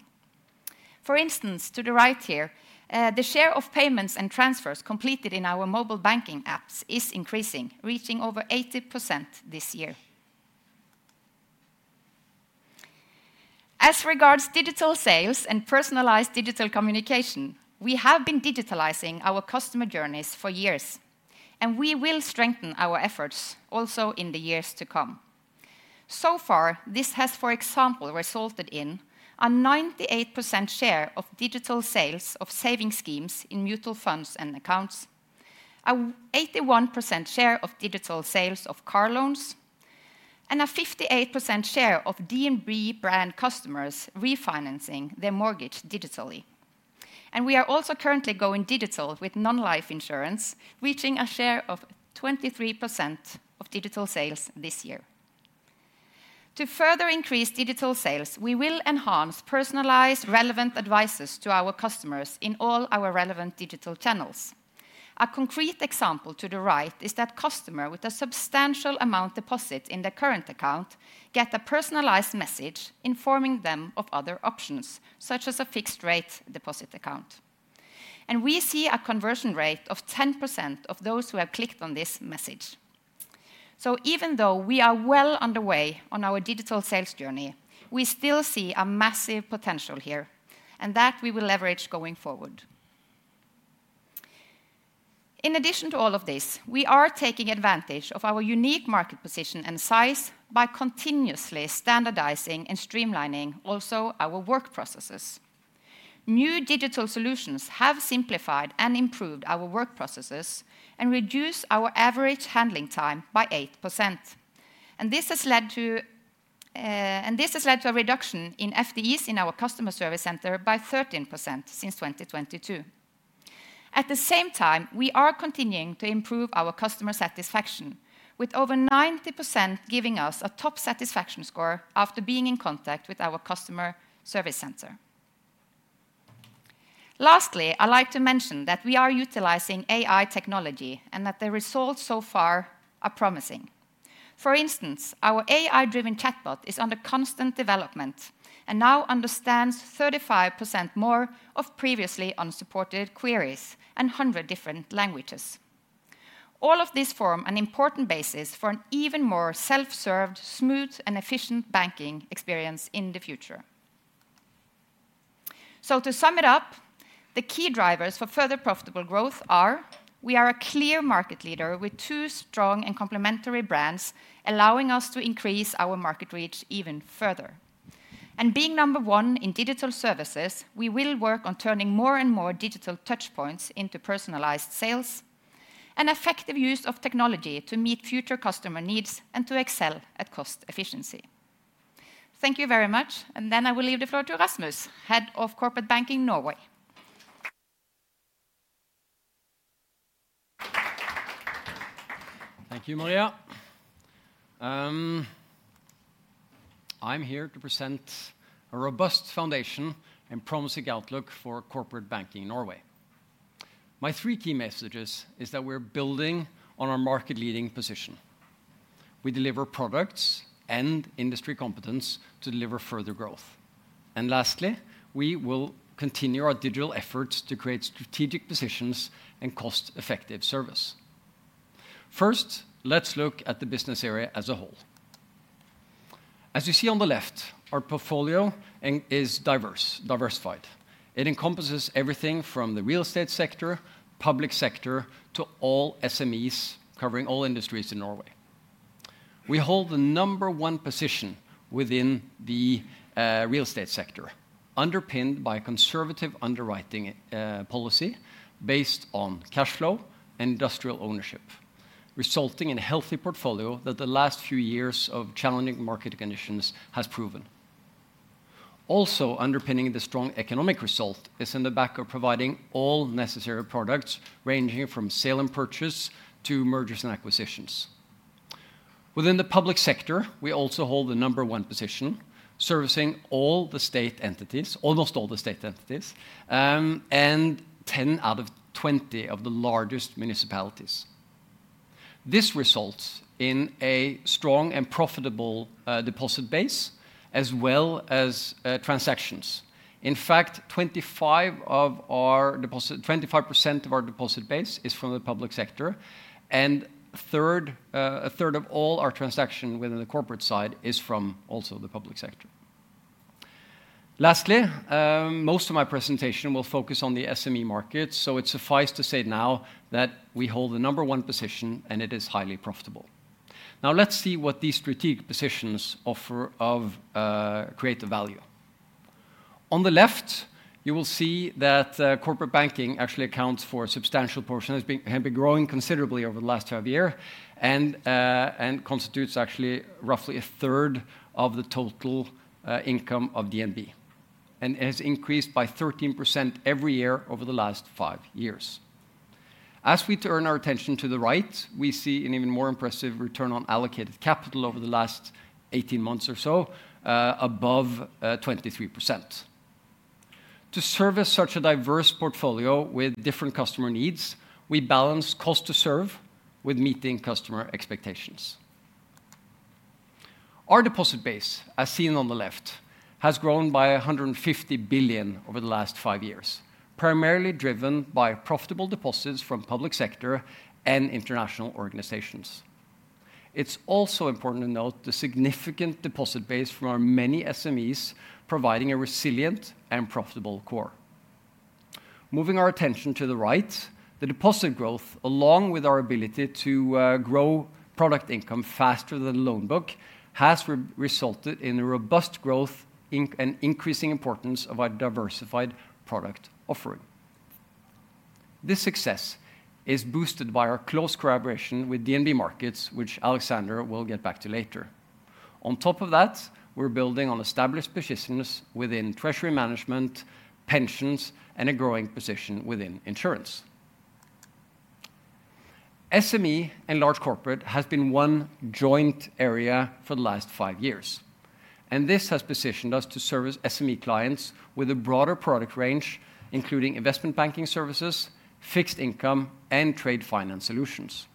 For instance, to the right here, the share of payments and transfers completed in our mobile banking apps is increasing, reaching over 80% this year. As regards digital sales and personalized digital communication, we have been digitalizing our customer journeys for years, and we will strengthen our efforts also in the years to come. So far, this has, for example, resulted in a 98% share of digital sales of savings schemes in mutual funds and accounts, an 81% share of digital sales of car loans, and a 58% share of DNB brand customers refinancing their mortgage digitally. We are also currently going digital with non-life insurance, reaching a share of 23% of digital sales this year. To further increase digital sales, we will enhance personalized relevant advice to our customers in all our relevant digital channels. A concrete example to the right is that customers with a substantial amount deposit in their current account get a personalized message informing them of other options, such as a fixed-rate deposit account. And we see a conversion rate of 10% of those who have clicked on this message. So even though we are well underway on our digital sales journey, we still see a massive potential here, and that we will leverage going forward. In addition to all of this, we are taking advantage of our unique market position and size by continuously standardizing and streamlining also our work processes. New digital solutions have simplified and improved our work processes and reduced our average handling time by 8%. And this has led to a reduction in FTEs in our customer service center by 13% since 2022. At the same time, we are continuing to improve our customer satisfaction, with over 90% giving us a top satisfaction score after being in contact with our customer service center. Lastly, I'd like to mention that we are utilizing AI technology and that the results so far are promising. For instance, our AI-driven chatbot is under constant development and now understands 35% more of previously unsupported queries and 100 different languages. All of these form an important basis for an even more self-served, smooth, and efficient banking experience in the future. To sum it up, the key drivers for further profitable growth are we are a clear market leader with two strong and complementary brands, allowing us to increase our market reach even further. Being number one in digital services, we will work on turning more and more digital touchpoints into personalized sales and effective use of technology to meet future customer needs and to excel at cost efficiency. Thank you very much. Then I will leave the floor to Rasmus, Head of Corporate Banking Norway. Thank you, Maria. I'm here to present a robust foundation and promising outlook for Corporate Banking in Norway. My three key messages are that we're building on our market-leading position. We deliver products and industry competence to deliver further growth. And lastly, we will continue our digital efforts to create strategic positions and cost-effective service. First, let's look at the business area as a whole. As you see on the left, our portfolio is diversified. It encompasses everything from the real estate sector, public sector, to all SMEs covering all industries in Norway. We hold the number one position within the real estate sector, underpinned by a conservative underwriting policy based on cash flow and industrial ownership, resulting in a healthy portfolio that the last few years of challenging market conditions have proven. Also, underpinning the strong economic result is the backbone of providing all necessary products ranging from sale and purchase to mergers and acquisitions. Within the public sector, we also hold the number one position, servicing almost all the state entities, and 10 out of 20 of the largest municipalities. This results in a strong and profitable deposit base as well as transactions. In fact, 25% of our deposit base is from the public sector, and a third of all our transactions within the corporate side is from also the public sector. Lastly, most of my presentation will focus on the SME market, so it suffices to say now that we hold the number one position, and it is highly profitable. Now, let's see what these strategic positions offer of value creation. On the left, you will see that Corporate Banking actually accounts for a substantial portion and has been growing considerably over the last half year and constitutes actually roughly a third of the total income of DNB, and it has increased by 13% every year over the last five years. As we turn our attention to the right, we see an even more impressive return on allocated capital over the last 18 months or so, above 23%. To service such a diverse portfolio with different customer needs, we balance cost to serve with meeting customer expectations. Our deposit base, as seen on the left, has grown by 150 billion over the last five years, primarily driven by profitable deposits from the public sector and international organizations. It's also important to note the significant deposit base from our many SMEs, providing a resilient and profitable core. Moving our attention to the right, the deposit growth, along with our ability to grow product income faster than the loan book, has resulted in a robust growth and increasing importance of our diversified product offering. This success is boosted by our close collaboration with DNB Markets, which Alexander will get back to later. On top of that, we're building on established positions within treasury management, pensions, and a growing position within insurance. SME and large corporate has been one joint area for the last five years, and this has positioned us to service SME clients with a broader product range, including investment banking services, fixed income, and trade finance solutions.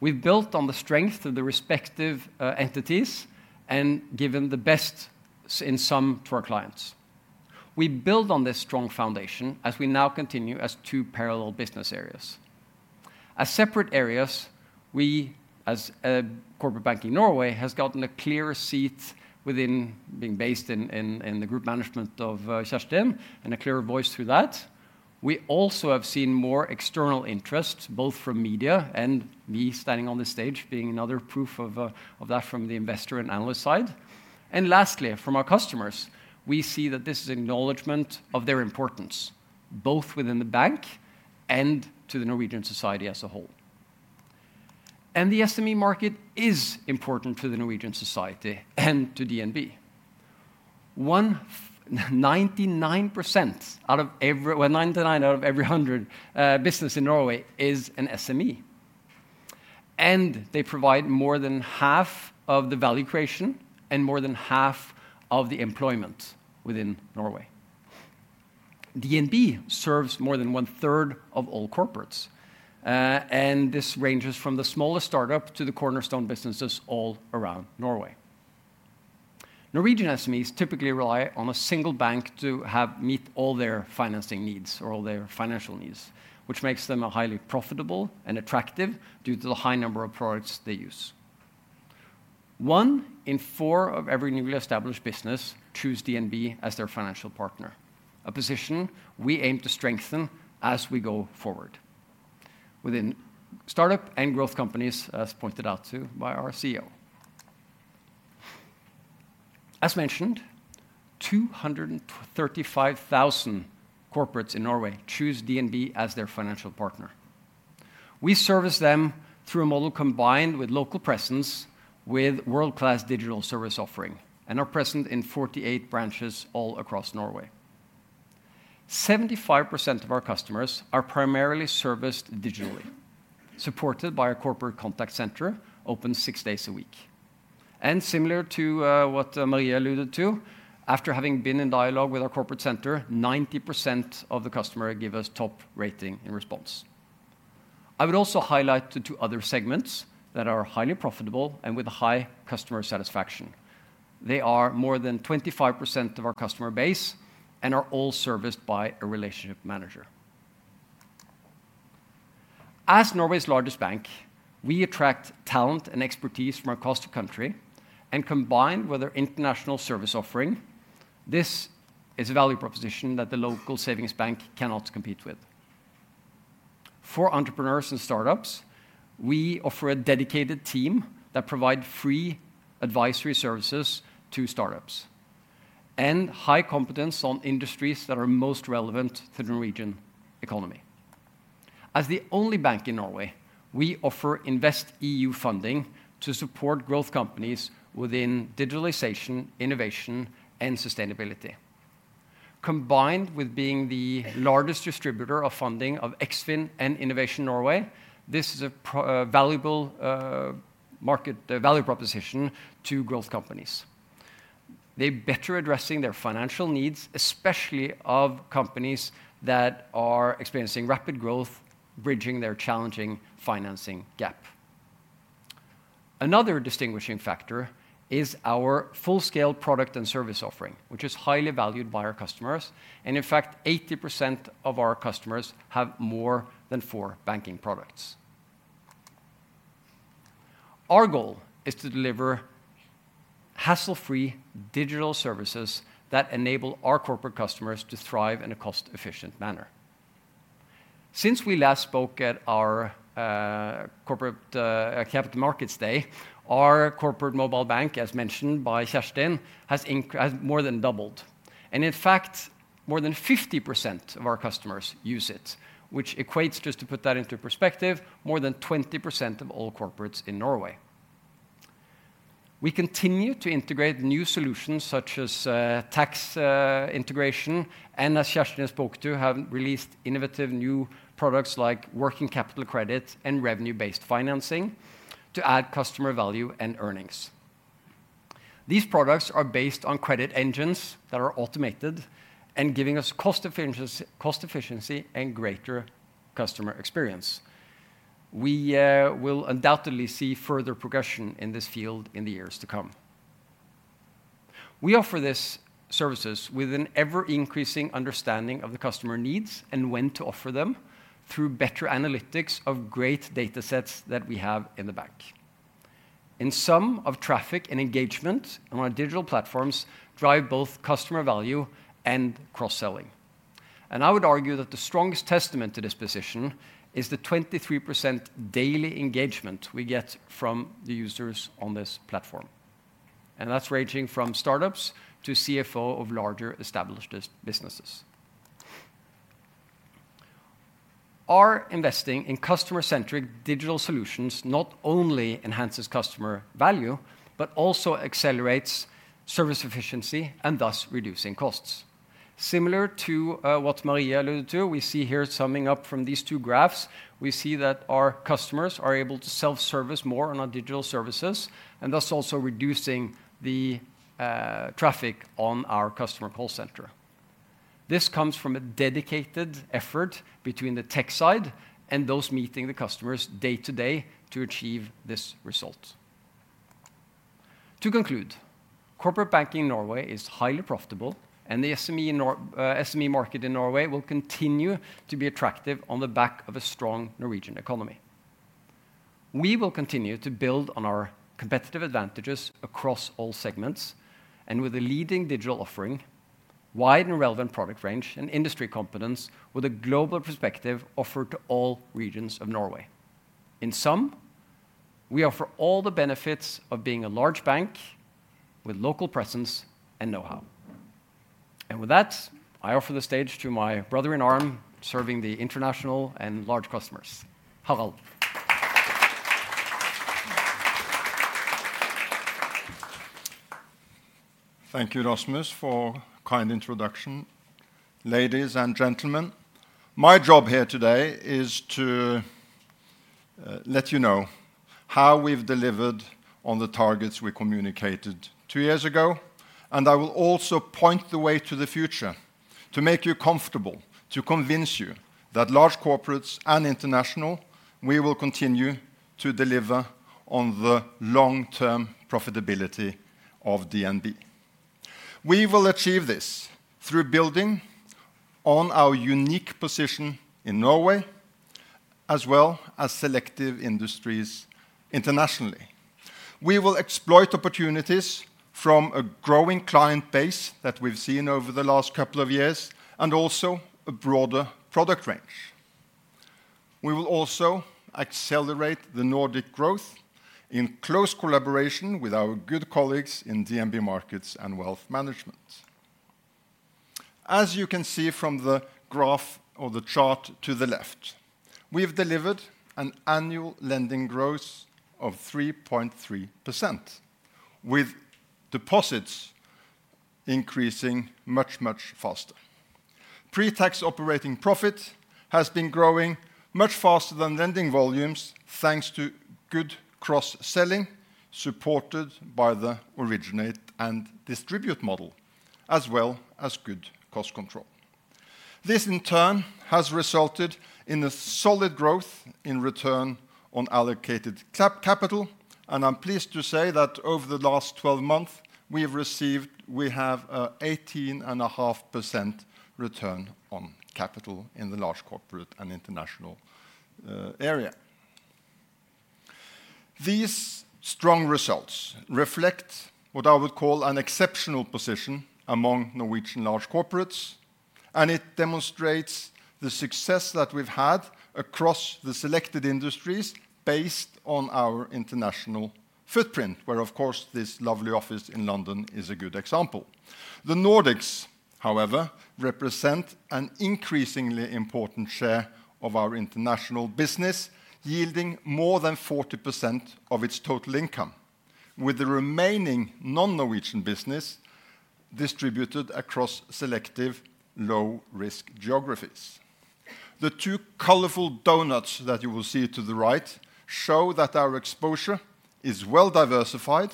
We've built on the strength of the respective entities and given the best of both to our clients. We build on this strong foundation as we now continue as two parallel business areas. As separate areas, we, as Corporate Banking Norway, have gotten a clearer seat within being based in the group management of Kjerstin and a clearer voice through that. We also have seen more external interest, both from media and me standing on this stage being another proof of that from the investor and analyst side. Lastly, from our customers, we see that this is an acknowledgment of their importance, both within the bank and to the Norwegian society as a whole. The SME market is important to the Norwegian society and to DNB. 99 out of every 100 businesses in Norway are SMEs, and they provide more than half of the value creation and more than half of the employment within Norway. DNB serves more than one third of all corporates, and this ranges from the smallest startup to the cornerstone businesses all around Norway. Norwegian SMEs typically rely on a single bank to meet all their financing needs or all their financial needs, which makes them highly profitable and attractive due to the high number of products they use. One in four of every newly established business chooses DNB as their financial partner, a position we aim to strengthen as we go forward within startup and growth companies, as pointed out too by our CEO. As mentioned, 235,000 corporates in Norway choose DNB as their financial partner. We service them through a model combined with local presence, with world-class digital service offering, and are present in 48 branches all across Norway. 75% of our customers are primarily serviced digitally, supported by a corporate contact center open six days a week. Similar to what Maria alluded to, after having been in dialogue with our corporate center, 90% of the customers give us top rating in response. I would also highlight the two other segments that are highly profitable and with high customer satisfaction. They are more than 25% of our customer base and are all serviced by a relationship manager. As Norway's largest bank, we attract talent and expertise from across the country and combine with our international service offering. This is a value proposition that the local savings bank cannot compete with. For entrepreneurs and startups, we offer a dedicated team that provides free advisory services to startups and high competence on industries that are most relevant to the Norwegian economy. As the only bank in Norway, we offer InvestEU funding to support growth companies within digitalization, innovation, and sustainability. Combined with being the largest distributor of funding of Eksfin and Innovation Norway, this is a valuable market value proposition to growth companies. They better address their financial needs, especially of companies that are experiencing rapid growth, bridging their challenging financing gap. Another distinguishing factor is our full-scale product and service offering, which is highly valued by our customers. In fact, 80% of our customers have more than four banking products. Our goal is to deliver hassle-free digital services that enable our corporate customers to thrive in a cost-efficient manner. Since we last spoke at our Corporate Capital Markets Day, our corporate mobile bank, as mentioned by Kjerstin, has more than doubled. In fact, more than 50% of our customers use it, which equates, just to put that into perspective, to more than 20% of all corporates in Norway. We continue to integrate new solutions such as tax integration, and as Kjerstin spoke to, have released innovative new products like working capital credit and revenue-based financing to add customer value and earnings. These products are based on credit engines that are automated and giving us cost efficiency and greater customer experience. We will undoubtedly see further progression in this field in the years to come. We offer these services with an ever-increasing understanding of the customer needs and when to offer them through better analytics of great data sets that we have in the bank, and some of the traffic and engagement on our digital platforms drive both customer value and cross-selling. I would argue that the strongest testament to this position is the 23% daily engagement we get from the users on this platform. That's ranging from startups to CFOs of larger established businesses. Our investing in customer-centric digital solutions not only enhances customer value, but also accelerates service efficiency and thus reducing costs. Similar to what Maria alluded to, we see here summing up from these two graphs, we see that our customers are able to self-service more on our digital services and thus also reducing the traffic on our customer call center. This comes from a dedicated effort between the tech side and those meeting the customers day to day to achieve this result. To conclude, Corporate Banking in Norway is highly profitable, and the SME market in Norway will continue to be attractive on the back of a strong Norwegian economy. We will continue to build on our competitive advantages across all segments and with a leading digital offering, wide and relevant product range, and industry competence with a global perspective offered to all regions of Norway. In sum, we offer all the benefits of being a large bank with local presence and know-how. And with that, I offer the stage to my brother-in-arms serving the international and large customers. Harald. Thank you, Rasmus, for a kind introduction. Ladies and gentlemen, my job here today is to let you know how we've delivered on the targets we communicated two years ago, and I will also point the way to the future to make you comfortable, to convince you that large corporates and international, we will continue to deliver on the long-term profitability of DNB. We will achieve this through building on our unique position in Norway, as well as selective industries internationally. We will exploit opportunities from a growing client base that we've seen over the last couple of years and also a broader product range. We will also accelerate the Nordic growth in close collaboration with our good colleagues in DNB Markets and Wealth Management. As you can see from the graph or the chart to the left, we've delivered an annual lending growth of 3.3%, with deposits increasing much, much faster. Pre-tax operating profit has been growing much faster than lending volumes, thanks to good cross-selling supported by the originate and distribute model, as well as good cost control. This, in turn, has resulted in a solid growth in return on allocated capital, and I'm pleased to say that over the last 12 months, we have received an 18.5% return on capital in the Large Corporate and International area. These strong results reflect what I would call an exceptional position among Norwegian large corporates, and it demonstrates the success that we've had across the selected industries based on our international footprint, where, of course, this lovely office in London is a good example. The Nordics, however, represent an increasingly important share of our international business, yielding more than 40% of its total income, with the remaining non-Norwegian business distributed across selective low-risk geographies. The two colorful donuts that you will see to the right show that our exposure is well diversified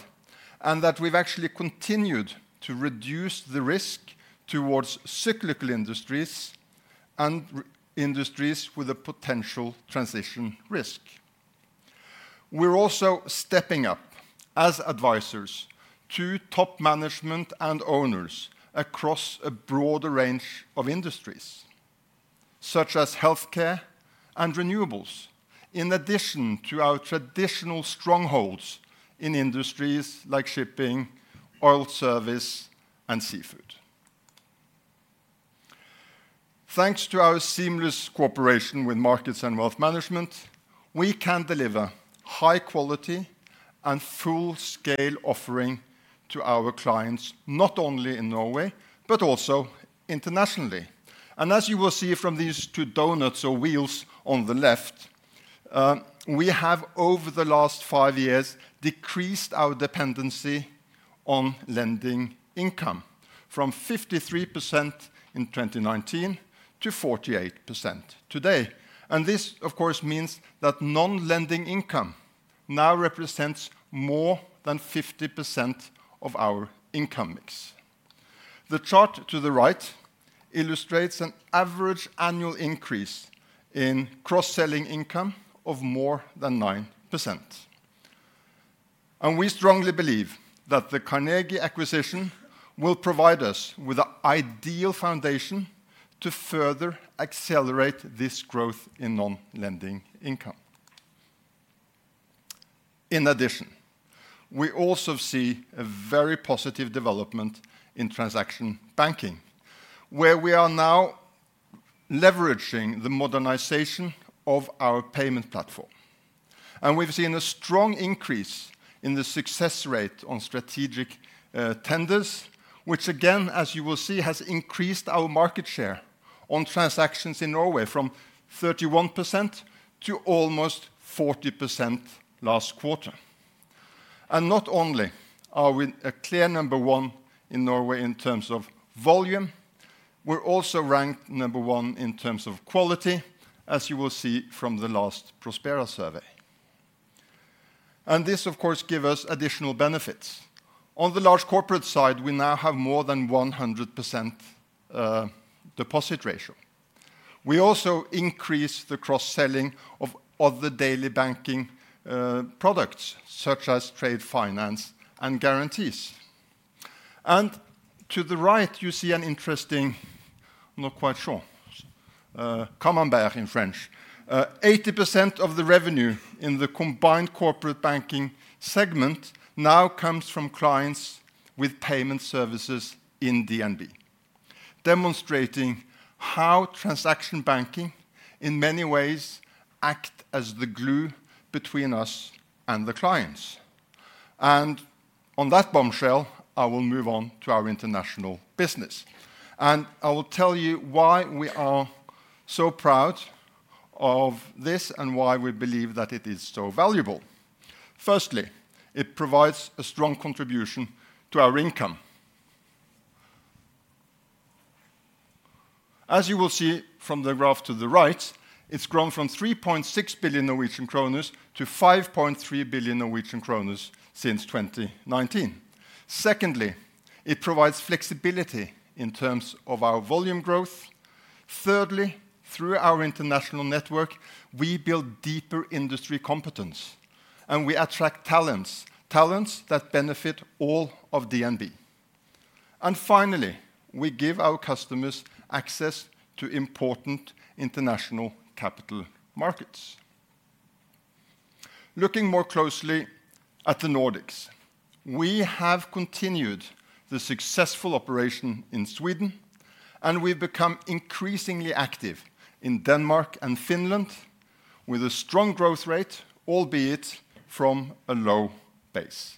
and that we've actually continued to reduce the risk towards cyclical industries and industries with a potential transition risk. We're also stepping up as advisors to top management and owners across a broader range of industries, such as healthcare and renewables, in addition to our traditional strongholds in industries like shipping, oil service, and seafood. Thanks to our seamless cooperation with markets and Wealth Management, we can deliver high-quality and full-scale offering to our clients, not only in Norway, but also internationally. And as you will see from these two donuts or wheels on the left, we have, over the last five years, decreased our dependency on lending income from 53% in 2019 to 48% today. And this, of course, means that non-lending income now represents more than 50% of our income mix. The chart to the right illustrates an average annual increase in cross-selling income of more than 9%. And we strongly believe that the Carnegie acquisition will provide us with an ideal foundation to further accelerate this growth in non-lending income. In addition, we also see a very positive development in transaction banking, where we are now leveraging the modernization of our payment platform. We've seen a strong increase in the success rate on strategic tenders, which again, as you will see, has increased our market share on transactions in Norway from 31% to almost 40% last quarter. Not only are we a clear number one in Norway in terms of volume, we're also ranked number one in terms of quality, as you will see from the last Prospera survey. This, of course, gives us additional benefits. On the large corporate side, we now have more than 100% deposit ratio. We also increased the cross-selling of other daily banking products, such as trade finance and guarantees. To the right, you see an interesting, I'm not quite sure, Camembert in French. 80% of the revenue in the combined Corporate Banking segment now comes from clients with payment services in DNB, demonstrating how transaction banking, in many ways, acts as the glue between us and the clients. And on that bombshell, I will move on to our international business. And I will tell you why we are so proud of this and why we believe that it is so valuable. Firstly, it provides a strong contribution to our income. As you will see from the graph to the right, it's grown from 3.6 billion Norwegian kroner to 5.3 billion Norwegian kroner since 2019. Secondly, it provides flexibility in terms of our volume growth. Thirdly, through our international network, we build deeper industry competence, and we attract talents, talents that benefit all of DNB. And finally, we give our customers access to important international Capital Markets. Looking more closely at the Nordics, we have continued the successful operation in Sweden, and we've become increasingly active in Denmark and Finland, with a strong growth rate, albeit from a low base.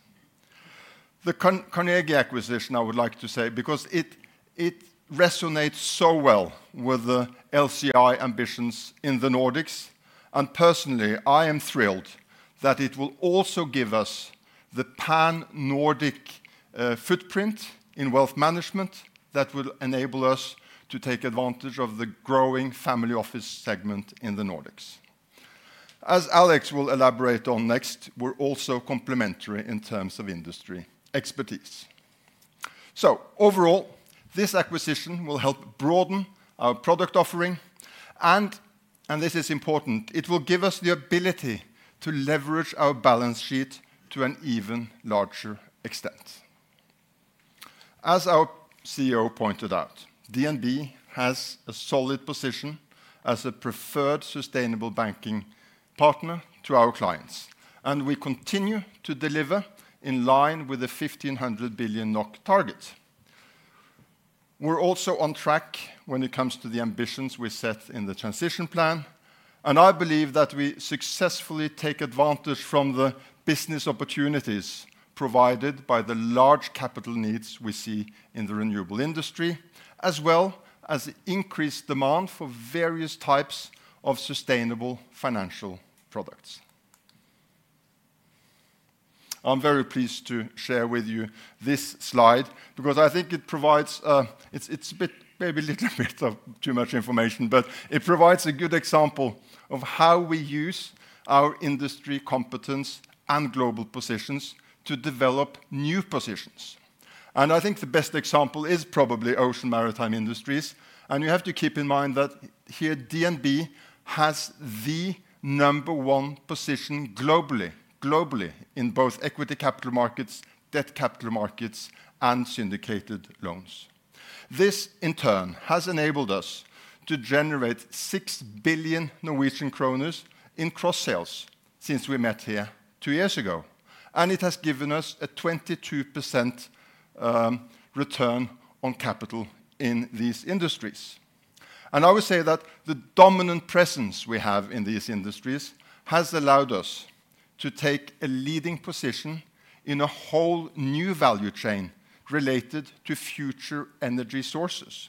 The Carnegie acquisition, I would like to say, because it resonates so well with the LCI ambitions in the Nordics, and personally, I am thrilled that it will also give us the pan-Nordic footprint in Wealth Management that will enable us to take advantage of the growing family office segment in the Nordics. As Alex will elaborate on next, we're also complementary in terms of industry expertise. So overall, this acquisition will help broaden our product offering, and this is important. It will give us the ability to leverage our balance sheet to an even larger extent. As our CEO pointed out, DNB has a solid position as a preferred sustainable banking partner to our clients, and we continue to deliver in line with the 1,500 billion NOK target. We're also on track when it comes to the ambitions we set in the transition plan, and I believe that we successfully take advantage from the business opportunities provided by the large capital needs we see in the renewable industry, as well as the increased demand for various types of sustainable financial products. I'm very pleased to share with you this slide because I think it provides - it's a bit, maybe a little bit of too much information - but it provides a good example of how we use our industry competence and global positions to develop new positions. I think the best example is probably ocean maritime industries, and you have to keep in mind that here DNB has the number one position globally in both equity Capital Markets, debt Capital Markets, and syndicated loans. This, in turn, has enabled us to generate 6 billion Norwegian kroner in cross-sales since we met here two years ago, and it has given us a 22% return on capital in these industries. And I would say that the dominant presence we have in these industries has allowed us to take a leading position in a whole new value chain related to future energy sources.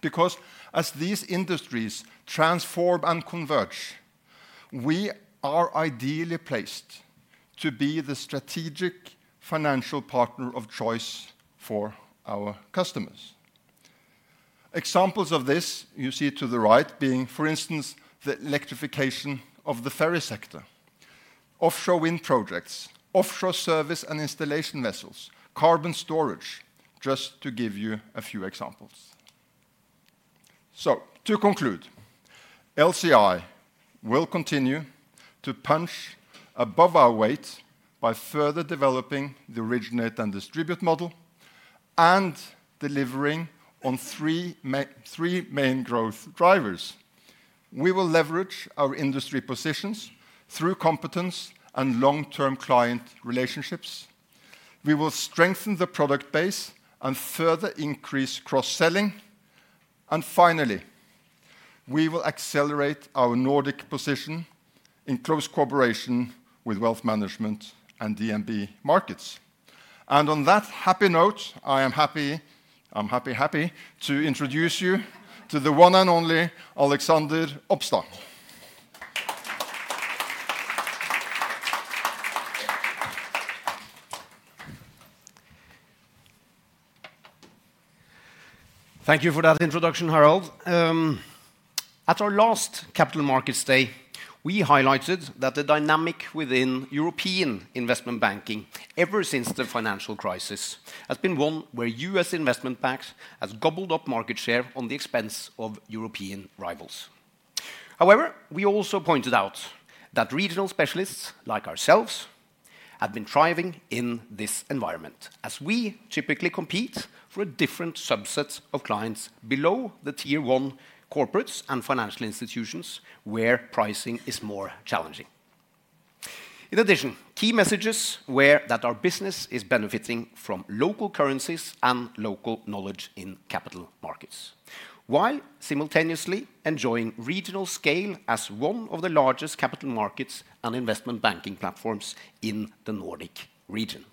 Because as these industries transform and converge, we are ideally placed to be the strategic financial partner of choice for our customers. Examples of this you see to the right being, for instance, the electrification of the ferry sector, offshore wind projects, offshore service and installation vessels, carbon storage, just to give you a few examples. So to conclude, LCI will continue to punch above our weight by further developing the originate and distribute model and delivering on three main growth drivers. We will leverage our industry positions through competence and long-term client relationships. We will strengthen the product base and further increase cross-selling. And finally, we will accelerate our Nordic position in close cooperation with Wealth Management and DNB Markets. And on that happy note, I am happy, I'm happy, happy to introduce you to the one and only Alexander Opstad. Thank you for that introduction, Harald. At our last Capital Markets Day, we highlighted that the dynamic within European investment banking ever since the financial crisis has been one where U.S. investment banks have gobbled up market share at the expense of European rivals. However, we also pointed out that regional specialists like ourselves have been thriving in this environment, as we typically compete for a different subset of clients below the tier one corporates and financial institutions where pricing is more challenging. In addition, key messages were that our business is benefiting from local currencies and local knowledge in Capital Markets, while simultaneously enjoying regional scale as one of the largest Capital Markets and investment banking platforms in the Nordic region.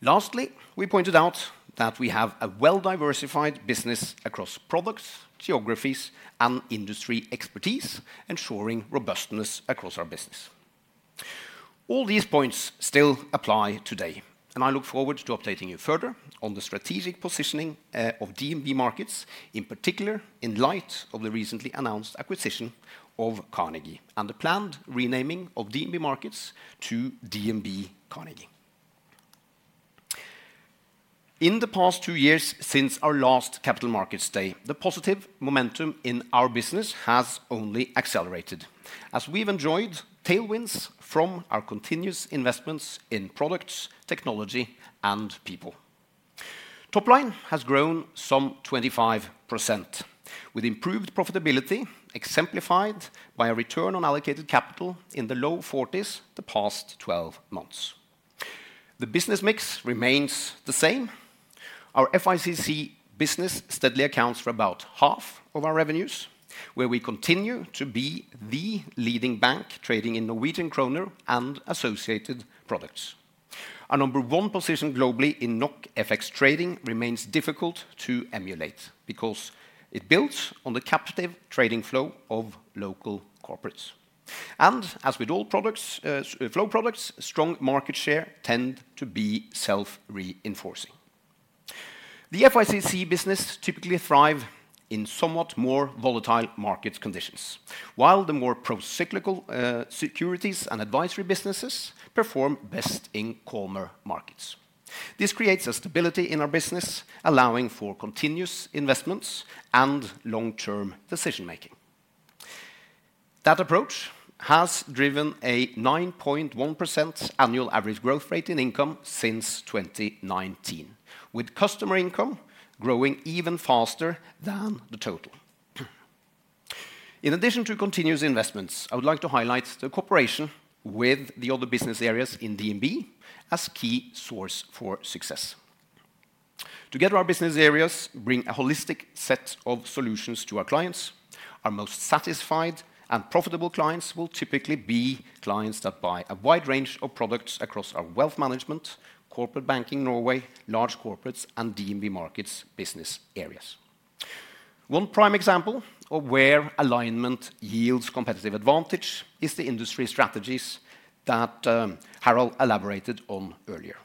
Lastly, we pointed out that we have a well-diversified business across products, geographies, and industry expertise, ensuring robustness across our business. All these points still apply today, and I look forward to updating you further on the strategic positioning of DNB Markets, in particular in light of the recently announced acquisition of Carnegie and the planned renaming of DNB Markets to DNB Carnegie. In the past two years since our last Capital Markets Day, the positive momentum in our business has only accelerated, as we've enjoyed tailwinds from our continuous investments in products, technology, and people. Top line has grown some 25%, with improved profitability exemplified by a return on allocated capital in the low 40s the past 12 months. The business mix remains the same. Our FICC business steadily accounts for about half of our revenues, where we continue to be the leading bank trading in Norwegian kroner and associated products. Our number one position globally in NOK FX trading remains difficult to emulate because it builds on the captive trading flow of local corporates, and as with all products, flow products, strong market share tend to be self-reinforcing. The FICC business typically thrives in somewhat more volatile market conditions, while the more pro-cyclical securities and advisory businesses perform best in calmer markets. This creates a stability in our business, allowing for continuous investments and long-term decision-making. That approach has driven a 9.1% annual average growth rate in income since 2019, with customer income growing even faster than the total. In addition to continuous investments, I would like to highlight the cooperation with the other business areas in DNB as a key source for success. Together, our business areas bring a holistic set of solutions to our clients. Our most satisfied and profitable clients will typically be clients that buy a wide range of products across our Wealth Management, Corporate Banking Norway, Large Corporates, and DNB Markets business areas. One prime example of where alignment yields competitive advantage is the industry strategies that Harald elaborated on earlier.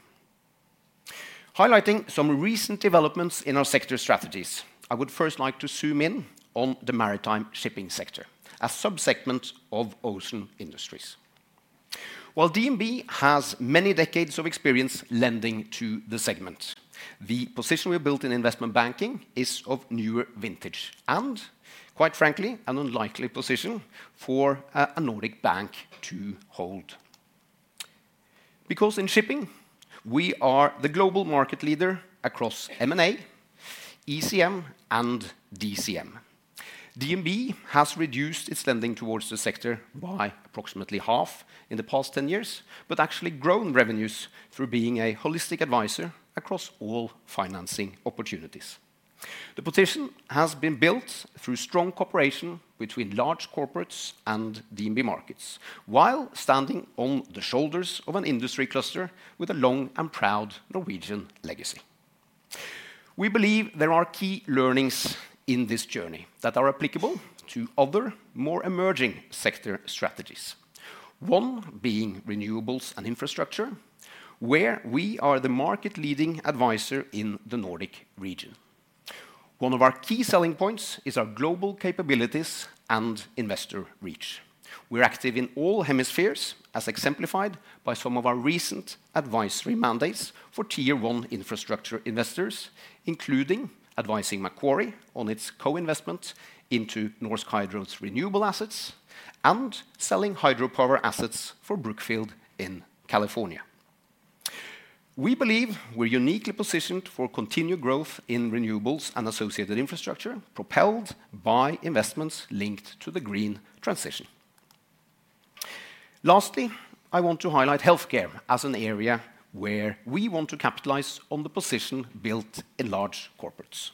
Highlighting some recent developments in our sector strategies, I would first like to zoom in on the maritime shipping sector, a subsegment of ocean industries. While DNB has many decades of experience lending to the segment, the position we've built in investment banking is of newer vintage and, quite frankly, an unlikely position for a Nordic bank to hold. Because in shipping, we are the global market leader across M&A, ECM, and DCM. DNB has reduced its lending towards the sector by approximately half in the past 10 years, but actually grown revenues through being a holistic advisor across all financing opportunities. The position has been built through strong cooperation between Large Corporates and DNB Markets, while standing on the shoulders of an industry cluster with a long and proud Norwegian legacy. We believe there are key learnings in this journey that are applicable to other more emerging sector strategies, one being renewables and infrastructure, where we are the market-leading advisor in the Nordic region. One of our key selling points is our global capabilities and investor reach. We're active in all hemispheres, as exemplified by some of our recent advisory mandates for tier one infrastructure investors, including advising Macquarie on its co-investment into Norsk Hydro's renewable assets and selling hydropower assets for Brookfield in California. We believe we're uniquely positioned for continued growth in renewables and associated infrastructure, propelled by investments linked to the green transition. Lastly, I want to highlight healthcare as an area where we want to capitalize on the position built in large corporates.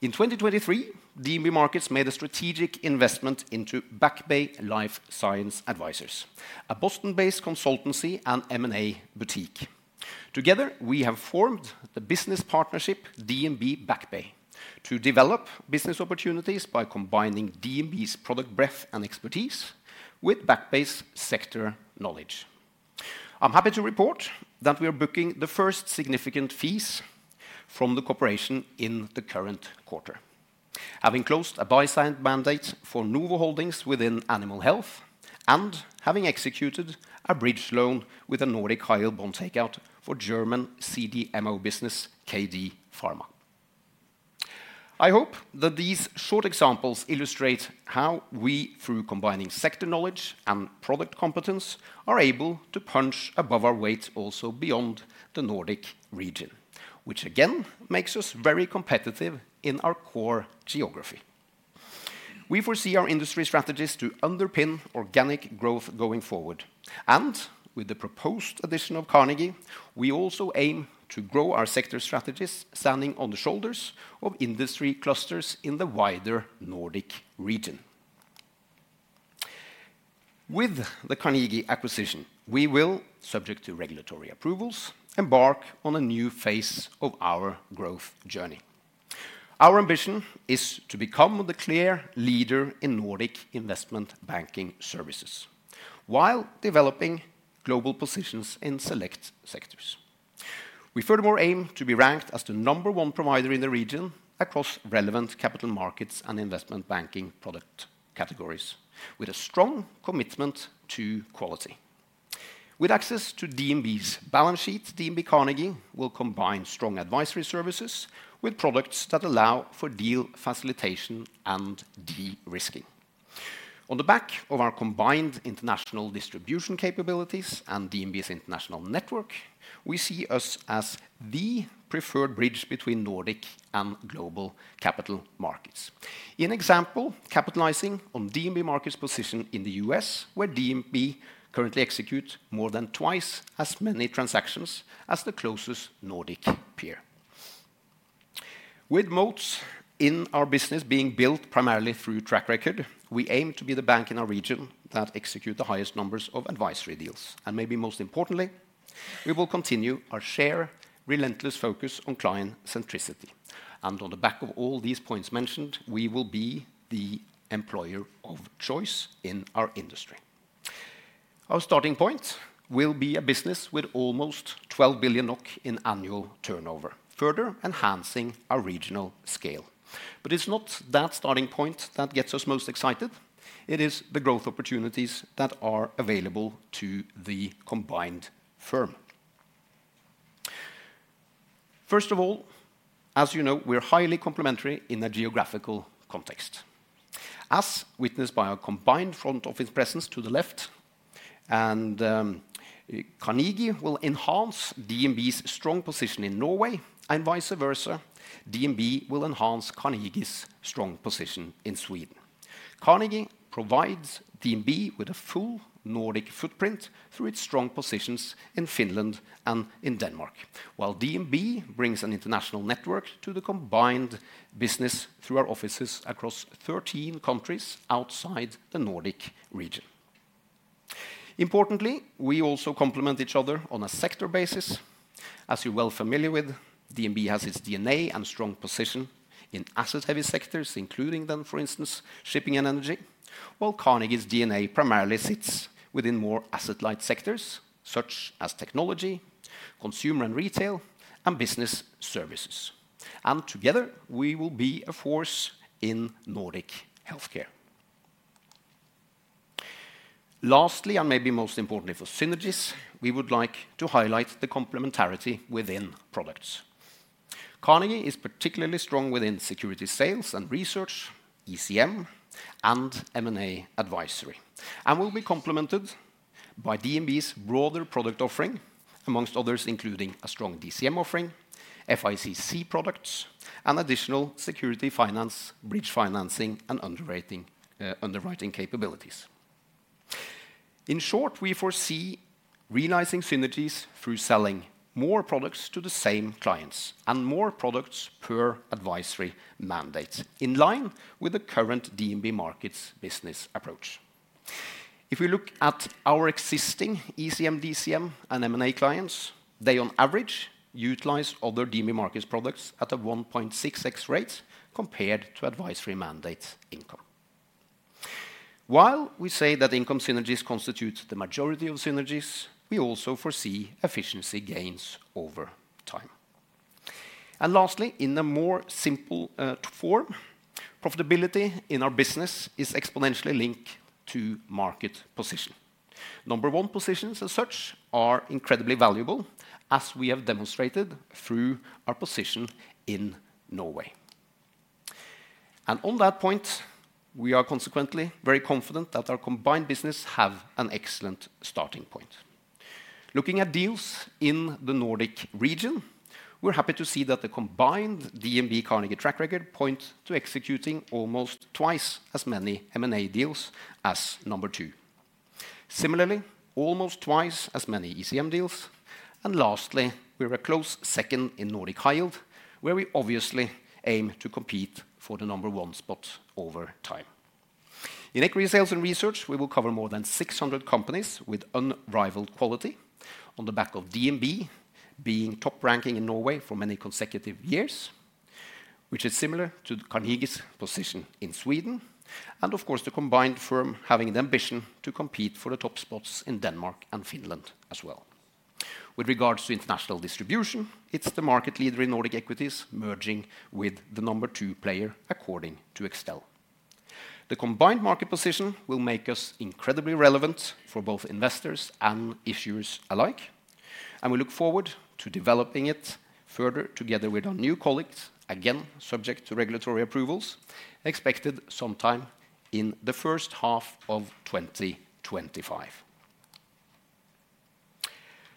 In 2023, DNB Markets made a strategic investment into Back Bay Life Science Advisors, a Boston-based consultancy and M&A boutique. Together, we have formed the business partnership DNB Back Bay to develop business opportunities by combining DNB's product breadth and expertise with Back Bay's sector knowledge. I'm happy to report that we are booking the first significant fees from the corporation in the current quarter, having closed a buy-side mandate for Novo Holdings within Animal Health and having executed a bridge loan with a Nordic high-yield bond takeout for German CDMO business KD Pharma. I hope that these short examples illustrate how we, through combining sector knowledge and product competence, are able to punch above our weight also beyond the Nordic region, which again makes us very competitive in our core geography. We foresee our industry strategies to underpin organic growth going forward, and with the proposed addition of Carnegie, we also aim to grow our sector strategies standing on the shoulders of industry clusters in the wider Nordic region. With the Carnegie acquisition, we will, subject to regulatory approvals, embark on a new phase of our growth journey. Our ambition is to become the clear leader in Nordic investment banking services while developing global positions in select sectors. We furthermore aim to be ranked as the number one provider in the region across relevant Capital Markets and investment banking product categories, with a strong commitment to quality. With access to DNB's balance sheet, DNB Carnegie will combine strong advisory services with products that allow for deal facilitation and de-risking. On the back of our combined international distribution capabilities and DNB's international network, we see us as the preferred bridge between Nordic and global Capital Markets. For example, capitalizing on DNB Markets' position in the U.S., where DNB currently executes more than twice as many transactions as the closest Nordic peer. With moats in our business being built primarily through track record, we aim to be the bank in our region that executes the highest numbers of advisory deals, and maybe most importantly, we will continue our shared relentless focus on client centricity, and on the back of all these points mentioned, we will be the employer of choice in our industry. Our starting point will be a business with almost 12 billion NOK in annual turnover, further enhancing our regional scale, but it's not that starting point that gets us most excited. It is the growth opportunities that are available to the combined firm. First of all, as you know, we're highly complementary in a geographical context, as witnessed by our combined front office presence to the left, and Carnegie will enhance DNB's strong position in Norway, and vice versa, DNB will enhance Carnegie's strong position in Sweden. Carnegie provides DNB with a full Nordic footprint through its strong positions in Finland and in Denmark, while DNB brings an international network to the combined business through our offices across 13 countries outside the Nordic region. Importantly, we also complement each other on a sector basis. As you're well familiar with, DNB has its DNA and strong position in asset-heavy sectors, including then, for instance, shipping and energy, while Carnegie's DNA primarily sits within more asset-light sectors such as technology, consumer and retail, and business services. And together, we will be a force in Nordic healthcare. Lastly, and maybe most importantly for synergies, we would like to highlight the complementarity within products. Carnegie is particularly strong within security sales and research, ECM, and M&A advisory, and will be complemented by DNB's broader product offering, amongst others, including a strong DCM offering, FICC products, and additional security finance, bridge financing, and underwriting capabilities. In short, we foresee realizing synergies through selling more products to the same clients and more products per advisory mandate in line with the current DNB Markets business approach. If we look at our existing ECM, DCM, and M&A clients, they on average utilize other DNB Markets products at a 1.6x rate compared to advisory mandate income. While we say that income synergies constitute the majority of synergies, we also foresee efficiency gains over time, and lastly, in a more simple form, profitability in our business is exponentially linked to market position. Number one positions and such are incredibly valuable, as we have demonstrated through our position in Norway, and on that point, we are consequently very confident that our combined business has an excellent starting point. Looking at deals in the Nordic region, we're happy to see that the combined DNB Carnegie track record points to executing almost twice as many M&A deals as number two. Similarly, almost twice as many ECM deals. Lastly, we're a close second in Nordic high yield, where we obviously aim to compete for the number one spot over time. In equity sales and research, we will cover more than 600 companies with unrivaled quality on the back of DNB being top-ranking in Norway for many consecutive years, which is similar to Carnegie's position in Sweden. Of course, the combined firm having the ambition to compete for the top spots in Denmark and Finland as well. With regards to international distribution, it's the market leader in Nordic equities merging with the number two player according to Extel. The combined market position will make us incredibly relevant for both investors and issuers alike, and we look forward to developing it further together with our new colleagues, again subject to regulatory approvals expected sometime in the first half of 2025.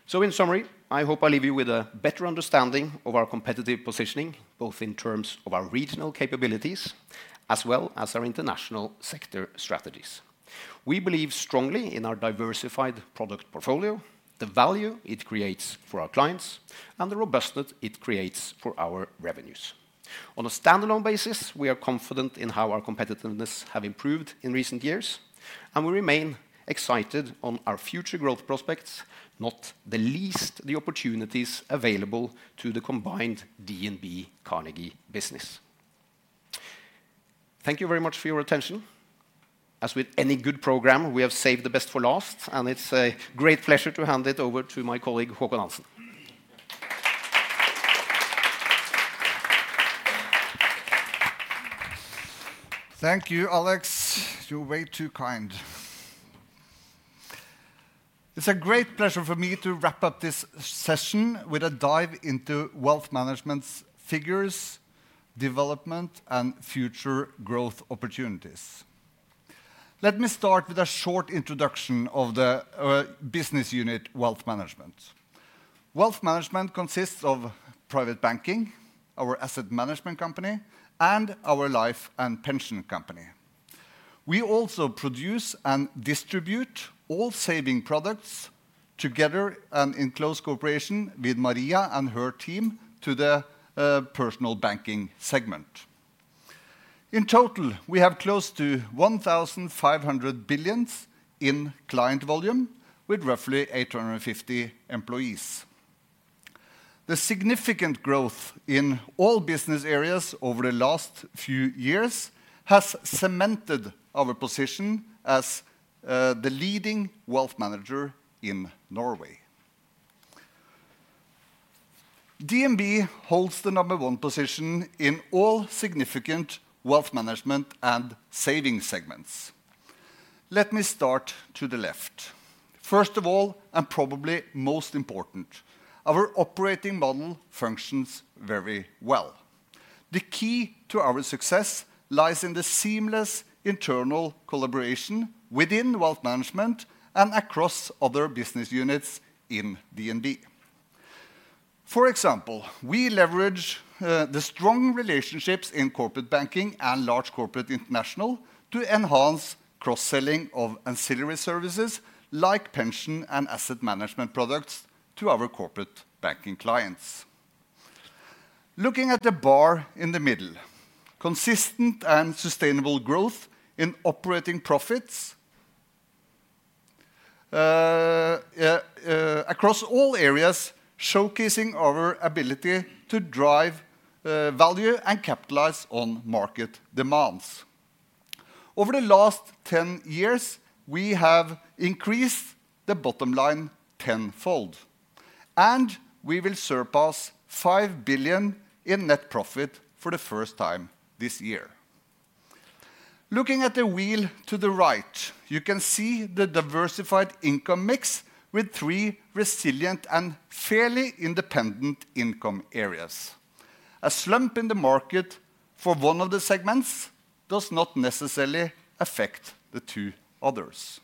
So in summary, I hope I leave you with a better understanding of our competitive positioning, both in terms of our regional capabilities as well as our international sector strategies. We believe strongly in our diversified product portfolio, the value it creates for our clients, and the robustness it creates for our revenues. On a standalone basis, we are confident in how our competitiveness has improved in recent years, and we remain excited on our future growth prospects, not the least the opportunities available to the combined DNB Carnegie business. Thank you very much for your attention. As with any good program, we have saved the best for last, and it's a great pleasure to hand it over to my colleague, Håkon Hansen. Thank you, Alex. You're way too kind. It's a great pleasure for me to wrap up this session with a dive into Wealth Management's figures, development, and future growth opportunities. Let me start with a short introduction of the business unit Wealth Management. Wealth management consists of private banking, our asset management company, and our life and pension company. We also produce and distribute all saving products together and in close cooperation with Maria and her team to the Personal Banking segment. In total, we have close to 1,500 billion in client volume with roughly 850 employees. The significant growth in all business areas over the last few years has cemented our position as the leading wealth manager in Norway. DNB holds the number one position in all significant Wealth Management and saving segments. Let me start to the left. First of all, and probably most important, our operating model functions very well. The key to our success lies in the seamless internal collaboration within Wealth Management and across other business units in DNB. For example, we leverage the strong relationships in Corporate Banking and large corporate international to enhance cross-selling of ancillary services like pension and asset management products to our Corporate Banking clients. Looking at the bar in the middle, consistent and sustainable growth in operating profits across all areas showcasing our ability to drive value and capitalize on market demands. Over the last 10 years, we have increased the bottom line tenfold, and we will surpass 5 billion in net profit for the first time this year. Looking at the wheel to the right, you can see the diversified income mix with three resilient and fairly independent income areas. A slump in the market for one of the segments does not necessarily affect the two others.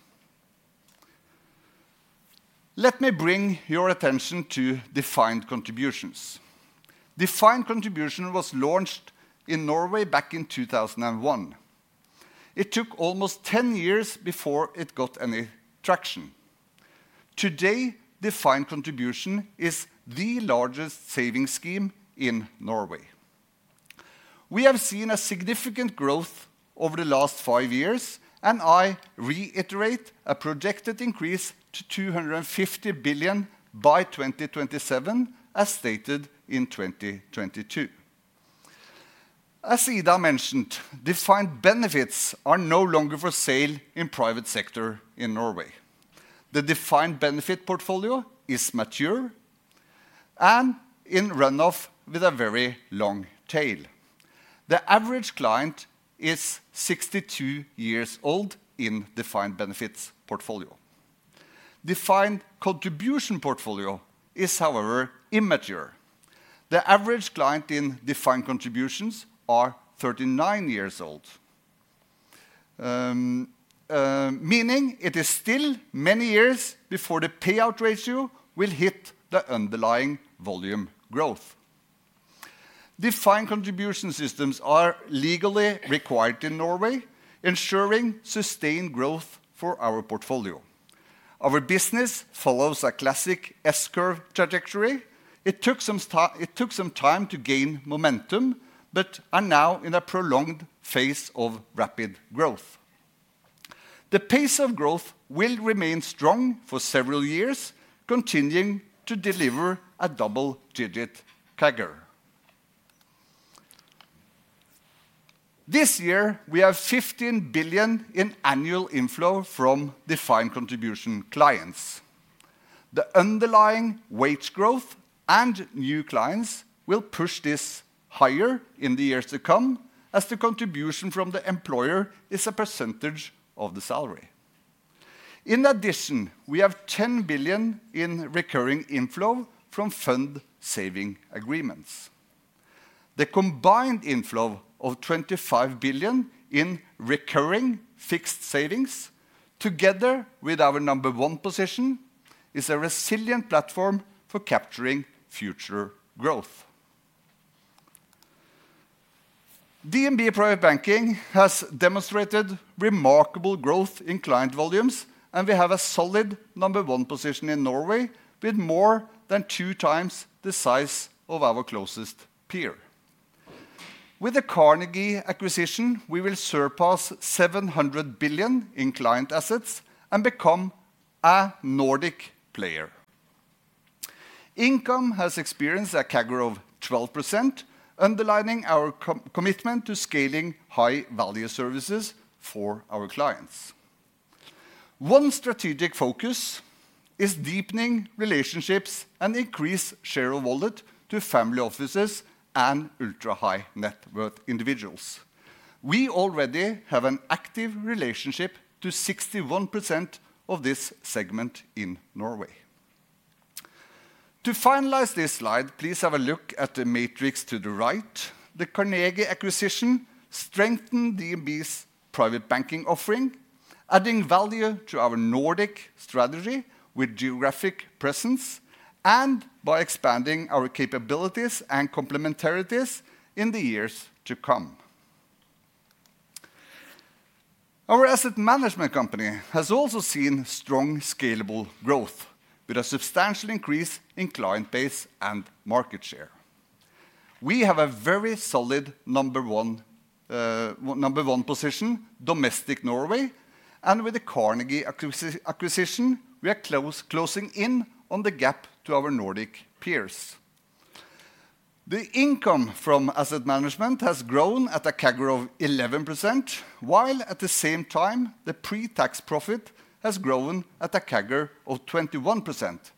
Let me bring your attention to defined contribution. defined contribution was launched in Norway back in 2001. It took almost 10 years before it got any traction. Today, defined contribution is the largest savings scheme in Norway. We have seen a significant growth over the last five years, and I reiterate a projected increase to 250 billion by 2027, as stated in 2022. As Ida mentioned, defined benefit are no longer for sale in private sector in Norway. The defined benefit portfolio is mature and in runoff with a very long tail. The average client is 62 years old in defined benefit portfolio. defined contribution portfolio is, however, immature. The average client in defined contribution is 39 years old, meaning it is still many years before the payout ratio will hit the underlying volume growth. defined contribution systems are legally required in Norway, ensuring sustained growth for our portfolio. Our business follows a classic S-curve trajectory. It took some time to gain momentum, but is now in a prolonged phase of rapid growth. The pace of growth will remain strong for several years, continuing to deliver a double-digit CAGR. This year, we have 15 billion in annual inflow from defined contribution clients. The underlying wage growth and new clients will push this higher in the years to come, as the contribution from the employer is a percentage of the salary. In addition, we have 10 billion in recurring inflow from fund saving agreements. The combined inflow of 25 billion in recurring fixed savings, together with our number one position, is a resilient platform for capturing future growth. DNB Private Banking has demonstrated remarkable growth in client volumes, and we have a solid number one position in Norway with more than two times the size of our closest peer. With the Carnegie acquisition, we will surpass 700 billion in client assets and become a Nordic player. Income has experienced a CAGR of 12%, underlining our commitment to scaling high-value services for our clients. One strategic focus is deepening relationships and increased share of wallet to family offices and ultra-high net worth individuals. We already have an active relationship to 61% of this segment in Norway. To finalize this slide, please have a look at the matrix to the right. The Carnegie acquisition strengthened DNB's private banking offering, adding value to our Nordic strategy with geographic presence and by expanding our capabilities and complementarities in the years to come. Our asset management company has also seen strong scalable growth with a substantial increase in client base and market share. We have a very solid number one position, domestic Norway, and with the Carnegie acquisition, we are closing in on the gap to our Nordic peers. The income from asset management has grown at a CAGR of 11%, while at the same time, the pre-tax profit has grown at a CAGR of 21%,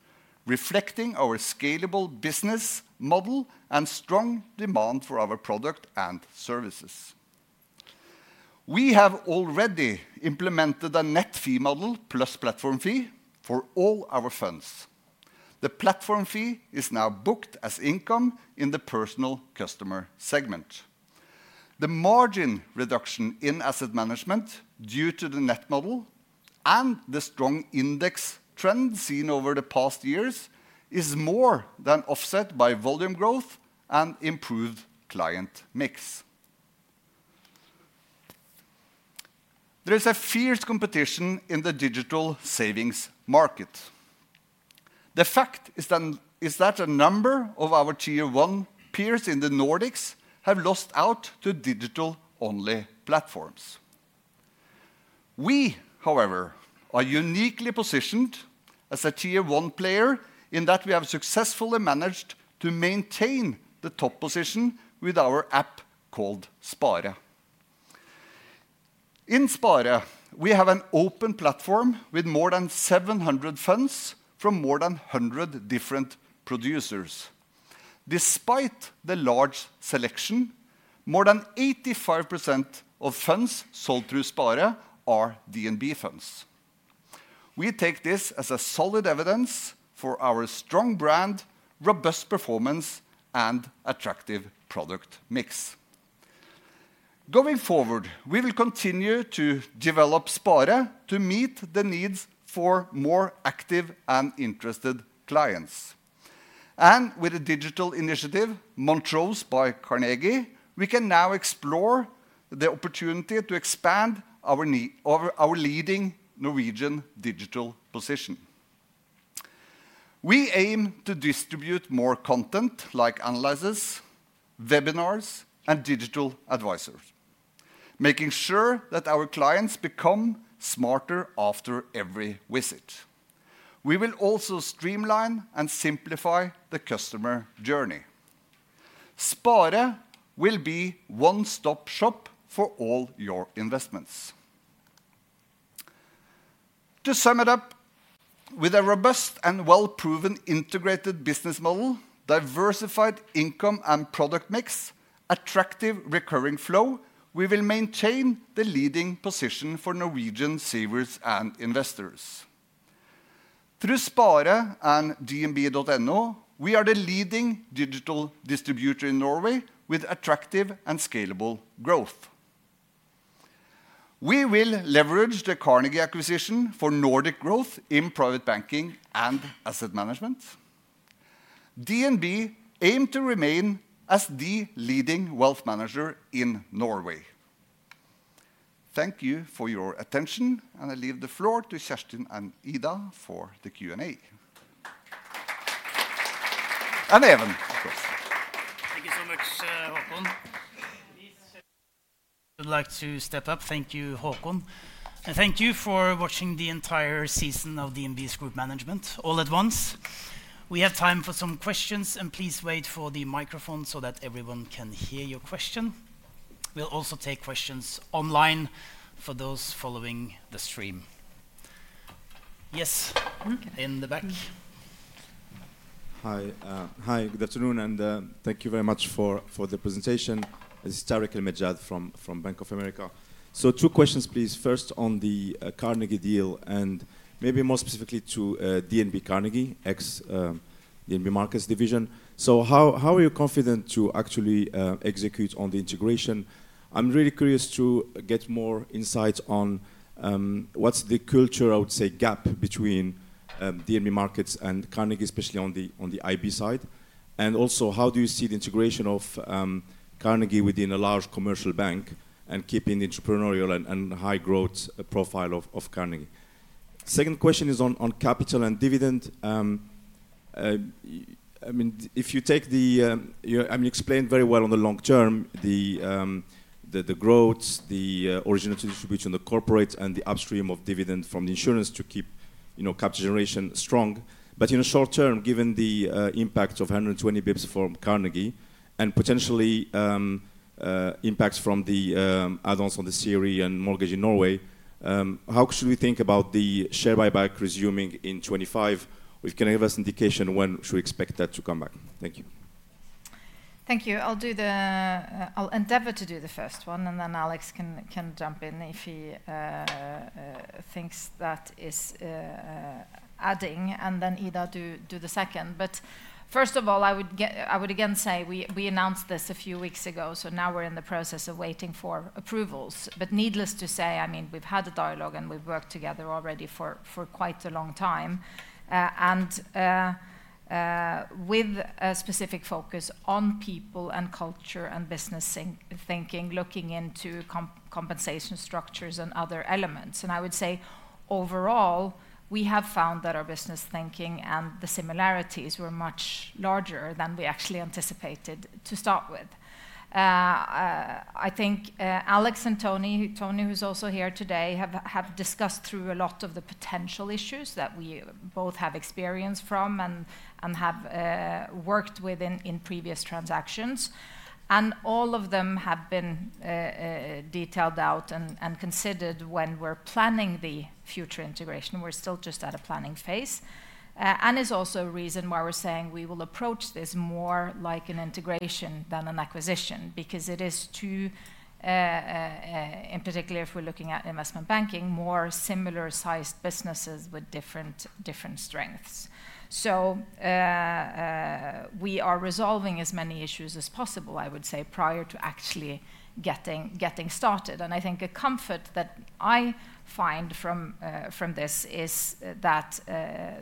reflecting our scalable business model and strong demand for our product and services. We have already implemented a net fee model plus platform fee for all our funds. The platform fee is now booked as income in the personal customer segment. The margin reduction in asset management due to the net model and the strong index trend seen over the past years is more than offset by volume growth and improved client mix. There is a fierce competition in the digital savings market. The fact is that a number of our tier one peers in the Nordics have lost out to digital-only platforms. We, however, are uniquely positioned as a tier one player in that we have successfully managed to maintain the top position with our app called Spare. In Spare, we have an open platform with more than 700 funds from more than 100 different producers. Despite the large selection, more than 85% of funds sold through Spare are DNB funds. We take this as solid evidence for our strong brand, robust performance, and attractive product mix. Going forward, we will continue to develop Spare to meet the needs for more active and interested clients, and with a digital initiative, Montrose by Carnegie, we can now explore the opportunity to expand our leading Norwegian digital position. We aim to distribute more content like analysis, webinars, and digital advisors, making sure that our clients become smarter after every visit. We will also streamline and simplify the customer journey. Spare will be a one-stop shop for all your investments. To sum it up, with a robust and well-proven integrated business model, diversified income and product mix, and attractive recurring flow, we will maintain the leading position for Norwegian savers and investors. Through Spare and DNB.no, we are the leading digital distributor in Norway with attractive and scalable growth. We will leverage the Carnegie acquisition for Nordic growth in private banking and asset management. DNB aims to remain as the leading wealth manager in Norway. Thank you for your attention, and I leave the floor to Kjerstin and Ida for the Q&A. And Even, of course. Thank you so much, Håkon. I would like to step up. Thank you, Håkon, and thank you for watching the entire season of DNB's Group Management. All at once, we have time for some questions, and please wait for the microphone so that everyone can hear your question. We'll also take questions online for those following the stream. Yes, in the back. Hi, good afternoon, and thank you very much for the presentation. This is Tarik El Mejjad from Bank of America. So, two questions, please. First, on the Carnegie deal, and maybe more specifically to DNB Carnegie ex-DNB Markets division. So, how are you confident to actually execute on the integration? I'm really curious to get more insight on what's the culture, I would say, gap between DNB Markets and Carnegie, especially on the IB side. Also, how do you see the integration of Carnegie within a large commercial bank and keeping the entrepreneurial and high growth profile of Carnegie? Second question is on capital and dividend. I mean, if you take the, I mean, you explained very well on the long term, the growth, the original distribution of the corporate, and the upstream of dividend from the insurance to keep capital generation strong. But in the short term, given the impact of 120 basis points from Carnegie and potentially impacts from the add-ons on the CRE and mortgage in Norway, how should we think about the share buyback resuming in 2025? Can you give us an indication when should we expect that to come back? Thank you. Thank you. I'll endeavor to do the first one, and then Alex can jump in if he thinks that is adding, and then Ida do the second. But first of all, I would again say we announced this a few weeks ago, so now we're in the process of waiting for approvals. But needless to say, I mean, we've had a dialogue, and we've worked together already for quite a long time, and with a specific focus on people and culture and business thinking, looking into compensation structures and other elements. And I would say overall, we have found that our business thinking and the similarities were much larger than we actually anticipated to start with. I think Alex and Tony, Tony who's also here today, have discussed through a lot of the potential issues that we both have experienced from and have worked with in previous transactions. And all of them have been detailed out and considered when we're planning the future integration. We're still just at a planning phase. And it's also a reason why we're saying we will approach this more like an integration than an acquisition, because it is to, in particular, if we're looking at investment banking, more similar-sized businesses with different strengths. So we are resolving as many issues as possible, I would say, prior to actually getting started. And I think a comfort that I find from this is that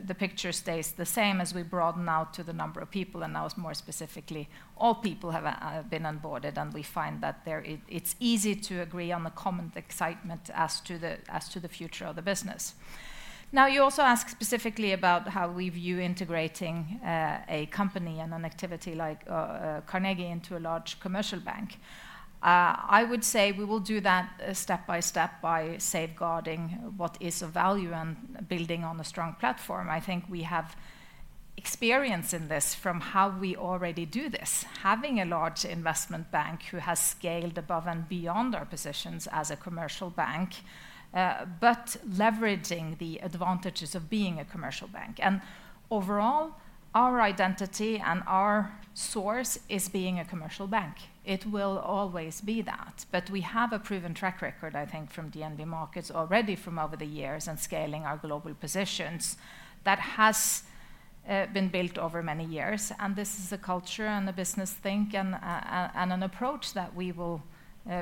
the picture stays the same as we broaden out to the number of people, and now it's more specifically all people have been onboarded, and we find that it's easy to agree on the common excitement as to the future of the business. Now, you also ask specifically about how we view integrating a company and an activity like Carnegie into a large commercial bank. I would say we will do that step by step by safeguarding what is of value and building on a strong platform. I think we have experience in this from how we already do this, having a large investment bank who has scaled above and beyond our positions as a commercial bank, but leveraging the advantages of being a commercial bank, and overall, our identity and our source is being a commercial bank. It will always be that, but we have a proven track record, I think, from DNB Markets already from over the years and scaling our global positions that has been built over many years, and this is a culture and a business think and an approach that we will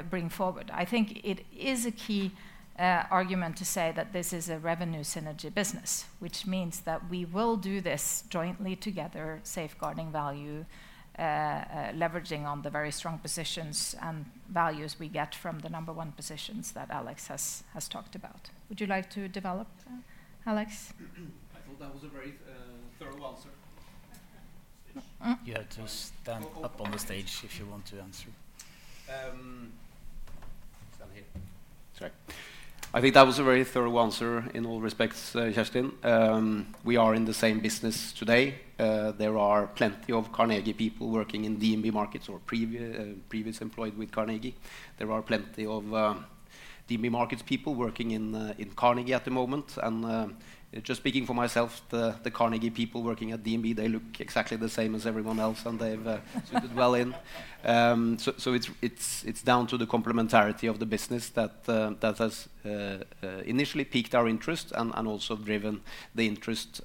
bring forward. I think it is a key argument to say that this is a revenue synergy business, which means that we will do this jointly together, safeguarding value, leveraging on the very strong positions and values we get from the number one positions that Alex has talked about. Would you like to develop, Alex? I thought that was a very thorough answer. Yeah, just stand up on the stage if you want to answer. I think that was a very thorough answer in all respects, Kjerstin. We are in the same business today. There are plenty of Carnegie people working in DNB Markets or previously employed with Carnegie. There are plenty of DNB Markets people working in Carnegie at the moment. And just speaking for myself, the Carnegie people working at DNB, they look exactly the same as everyone else, and they've suited well in. It's down to the complementarity of the business that has initially piqued our interest and also driven the interest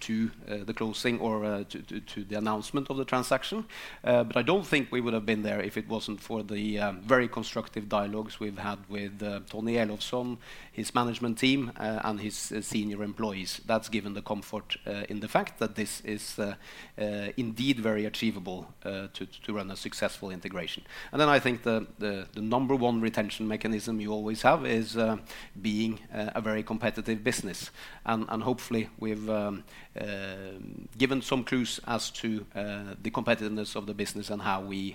to the closing or to the announcement of the transaction. But I don't think we would have been there if it wasn't for the very constructive dialogues we've had with Tony Elofsson, his management team, and his senior employees. That's given the comfort in the fact that this is indeed very achievable to run a successful integration. Then I think the number one retention mechanism you always have is being a very competitive business. And hopefully, we've given some clues as to the competitiveness of the business and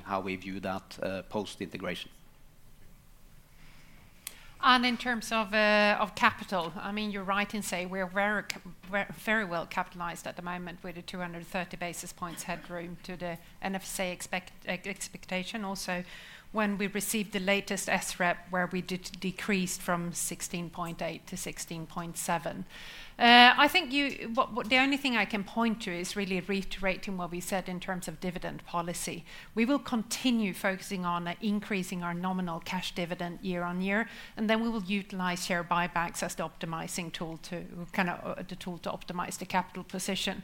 how we view that post-integration. And in terms of capital, I mean, you're right in saying we're very well capitalized at the moment with the 230 basis points headroom to the NFSA expectation. Also, when we received the latest SREP, where we decreased from 16.8 to 16.7, I think the only thing I can point to is really reiterating what we said in terms of dividend policy. We will continue focusing on increasing our nominal cash dividend year on year, and then we will utilize share buybacks as the optimizing tool, kind of, to optimize the capital position.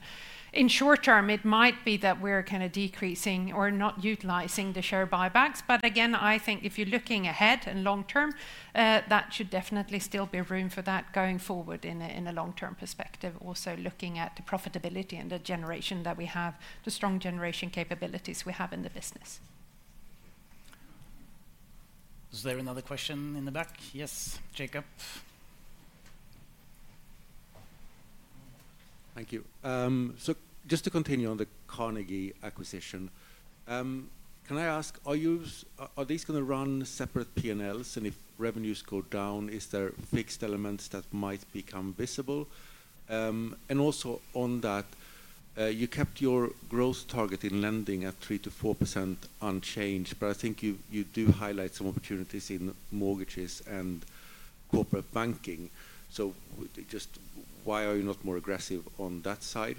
In short term, it might be that we're kind of decreasing or not utilizing the share buybacks. But again, I think if you're looking ahead and long term, that should definitely still be room for that going forward in a long-term perspective, also looking at the profitability and the generation that we have, the strong generation capabilities we have in the business. Is there another question in the back? Yes, Jacob. Thank you. So just to continue on the Carnegie acquisition, can I ask, are these going to run separate P&Ls? And if revenues go down, is there fixed elements that might become visible? And also on that, you kept your growth target in lending at 3%-4% unchanged, but I think you do highlight some opportunities in mortgages and Corporate Banking. So just why are you not more aggressive on that side?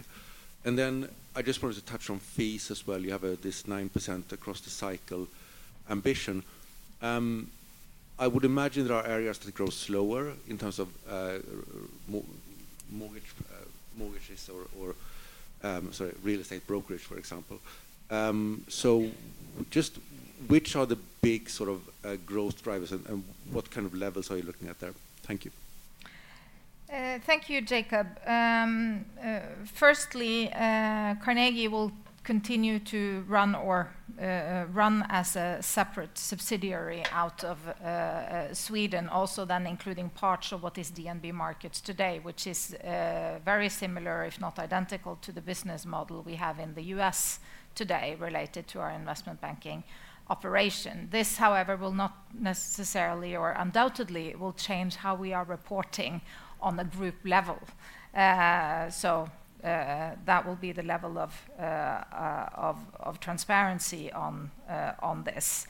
And then I just wanted to touch on fees as well. You have this 9% across the cycle ambition. I would imagine there are areas that grow slower in terms of mortgages or, sorry, real estate brokerage, for example. So just which are the big sort of growth drivers and what kind of levels are you looking at there? Thank you. Thank you, Jacob. Firstly, Carnegie will continue to run as a separate subsidiary out of Sweden, also then including parts of what is DNB Markets today, which is very similar, if not identical, to the business model we have in the U.S. today related to our investment banking operation. This, however, will not necessarily or undoubtedly will change how we are reporting on a group level. So that will be the level of transparency on this.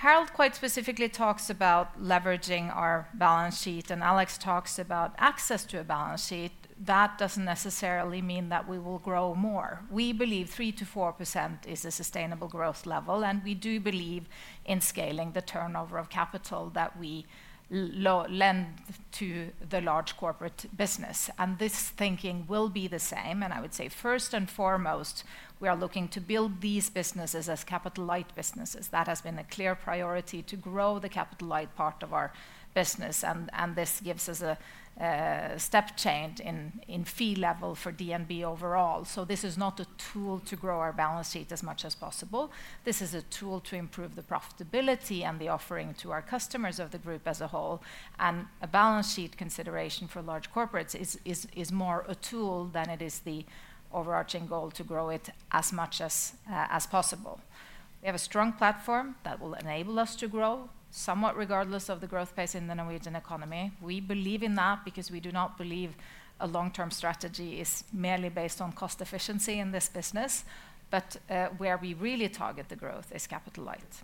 Harald quite specifically talks about leveraging our balance sheet, and Alex talks about access to a balance sheet. That doesn't necessarily mean that we will grow more. We believe 3%-4% is a sustainable growth level, and we do believe in scaling the turnover of capital that we lend to the large corporate business. And this thinking will be the same. And I would say first and foremost, we are looking to build these businesses as capital-light businesses. That has been a clear priority to grow the capital-light part of our business. And this gives us a step change in fee level for DNB overall. So this is not a tool to grow our balance sheet as much as possible. This is a tool to improve the profitability and the offering to our customers of the group as a whole. And a balance sheet consideration for large corporates is more a tool than it is the overarching goal to grow it as much as possible. We have a strong platform that will enable us to grow somewhat regardless of the growth pace in the Norwegian economy. We believe in that because we do not believe a long-term strategy is merely based on cost efficiency in this business. But where we really target the growth is capital-light.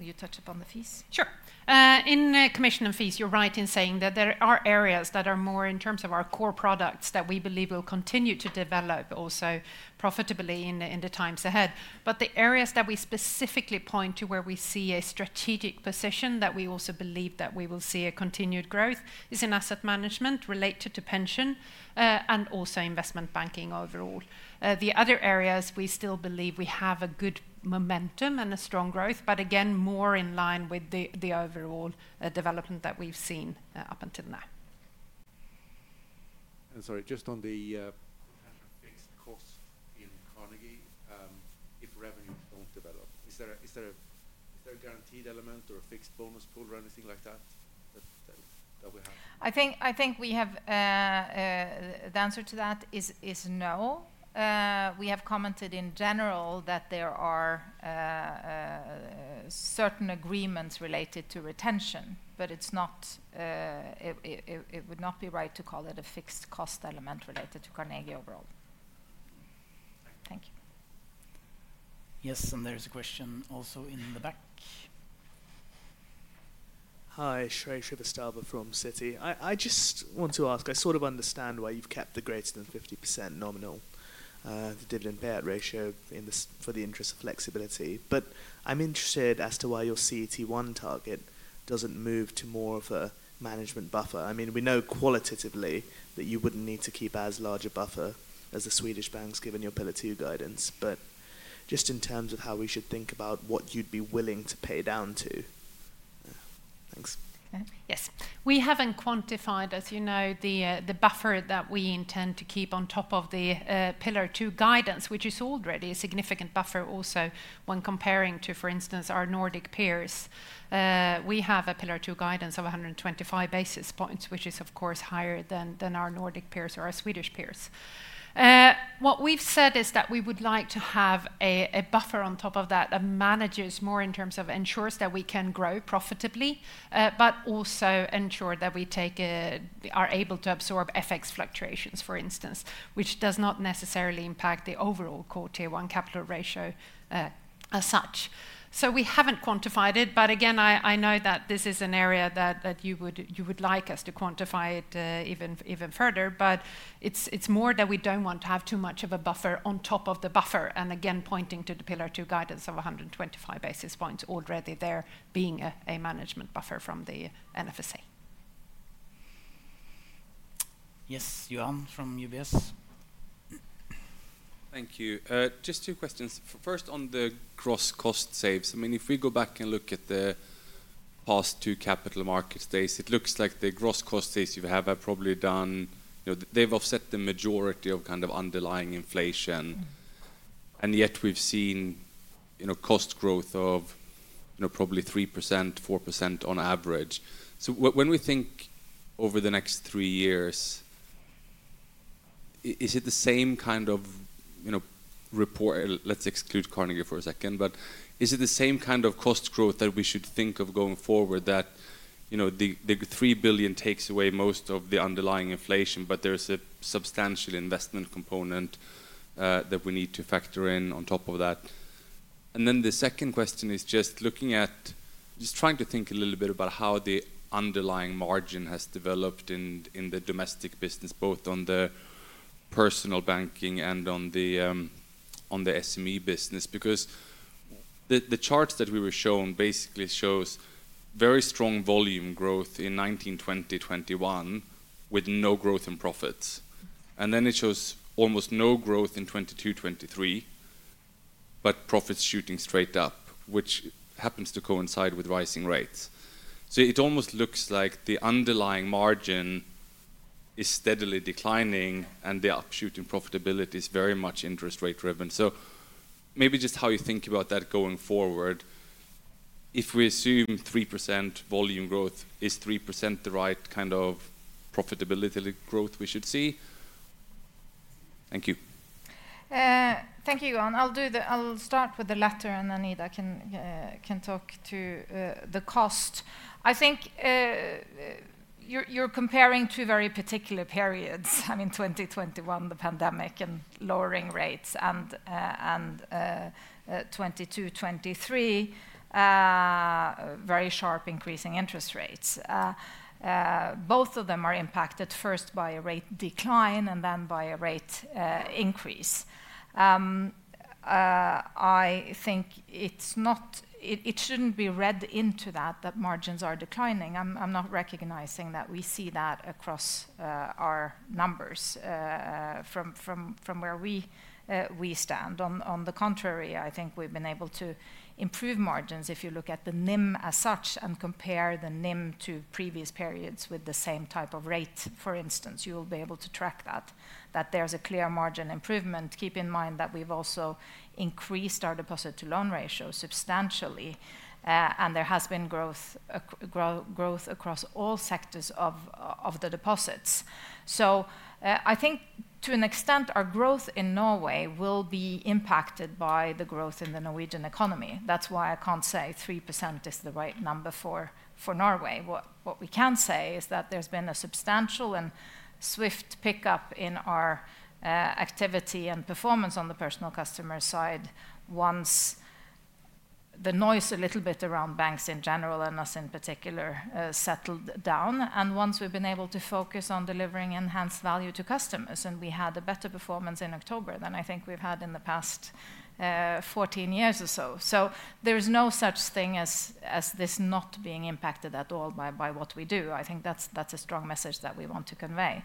Will you touch upon the fees? Sure. In commission and fees, you're right in saying that there are areas that are more in terms of our core products that we believe will continue to develop also profitably in the times ahead. But the areas that we specifically point to where we see a strategic position that we also believe that we will see a continued growth is in asset management related to pension and also investment banking overall. The other areas we still believe we have a good momentum and a strong growth, but again, more in line with the overall development that we've seen up until now. And sorry, just on the fixed cost in Carnegie, if revenues don't develop, is there a guaranteed element or a fixed bonus pool or anything like that that we have? I think we have the answer to that is no. We have commented in general that there are certain agreements related to retention, but it would not be right to call it a fixed cost element related to Carnegie overall. Thank you. Yes, and there's a question also in the back. Hi, Shreya Srivastava from Citi. I just want to ask, I sort of understand why you've kept the greater than 50% nominal, the dividend payout ratio for the interest of flexibility. But I'm interested as to why your CET1 target doesn't move to more of a management buffer. I mean, we know qualitatively that you wouldn't need to keep as large a buffer as the Swedish banks given your Pillar 2 guidance. But just in terms of how we should think about what you'd be willing to pay down to. Thanks. Yes. We haven't quantified, as you know, the buffer that we intend to keep on top of the Pillar 2 Guidance, which is already a significant buffer also when comparing to, for instance, our Nordic peers. We have a Pillar 2 Guidance of 125 basis points, which is, of course, higher than our Nordic peers or our Swedish peers. What we've said is that we would like to have a buffer on top of that that manages more in terms of ensures that we can grow profitably, but also ensure that we are able to absorb FX fluctuations, for instance, which does not necessarily impact the overall Core Tier 1 capital ratio as such, so we haven't quantified it, but again, I know that this is an area that you would like us to quantify it even further. But it's more that we don't want to have too much of a buffer on top of the buffer. And again, pointing to the Pillar 2 guidance of 125 basis points, already there being a management buffer from the NFSA. Yes, Johan from UBS. Thank you. Just two questions. First, on the gross cost saves. I mean, if we go back and look at the past two Capital Markets Days, it looks like the gross cost saves you have probably done, they've offset the majority of kind of underlying inflation. And yet we've seen cost growth of probably 3%, 4% on average. So when we think over the next three years, is it the same kind of report? Let's exclude Carnegie for a second. Is it the same kind of cost growth that we should think of going forward that the 3 billion NOK takes away most of the underlying inflation, but there's a substantial investment component that we need to factor in on top of that? The second question is just looking at, just trying to think a little bit about how the underlying margin has developed in the domestic business, both on the Personal Banking and on the SME business. Because the charts that we were shown basically show very strong volume growth in 2019-2021 with no growth in profits. Then it shows almost no growth in 2022-2023, but profits shooting straight up, which happens to coincide with rising rates. It almost looks like the underlying margin is steadily declining and the upshoot in profitability is very much interest rate driven. So maybe just how you think about that going forward. If we assume 3% volume growth, is 3% the right kind of profitability growth we should see? Thank you. Thank you, Johan. I'll start with the latter and then I can talk to the cost. I think you're comparing two very particular periods. I mean, 2021, the pandemic and lowering rates and 2022-2023, very sharp increasing interest rates. Both of them are impacted first by a rate decline and then by a rate increase. I think it shouldn't be read into that that margins are declining. I'm not recognizing that we see that across our numbers from where we stand. On the contrary, I think we've been able to improve margins if you look at the NIM as such and compare the NIM to previous periods with the same type of rate, for instance. You will be able to track that there's a clear margin improvement. Keep in mind that we've also increased our deposit to loan ratio substantially, and there has been growth across all sectors of the deposits. So I think to an extent, our growth in Norway will be impacted by the growth in the Norwegian economy. That's why I can't say 3% is the right number for Norway. What we can say is that there's been a substantial and swift pickup in our activity and performance on the personal customer side once the noise a little bit around banks in general and us in particular settled down, and once we've been able to focus on delivering enhanced value to customers, and we had a better performance in October than I think we've had in the past 14 years or so. So there is no such thing as this not being impacted at all by what we do. I think that's a strong message that we want to convey.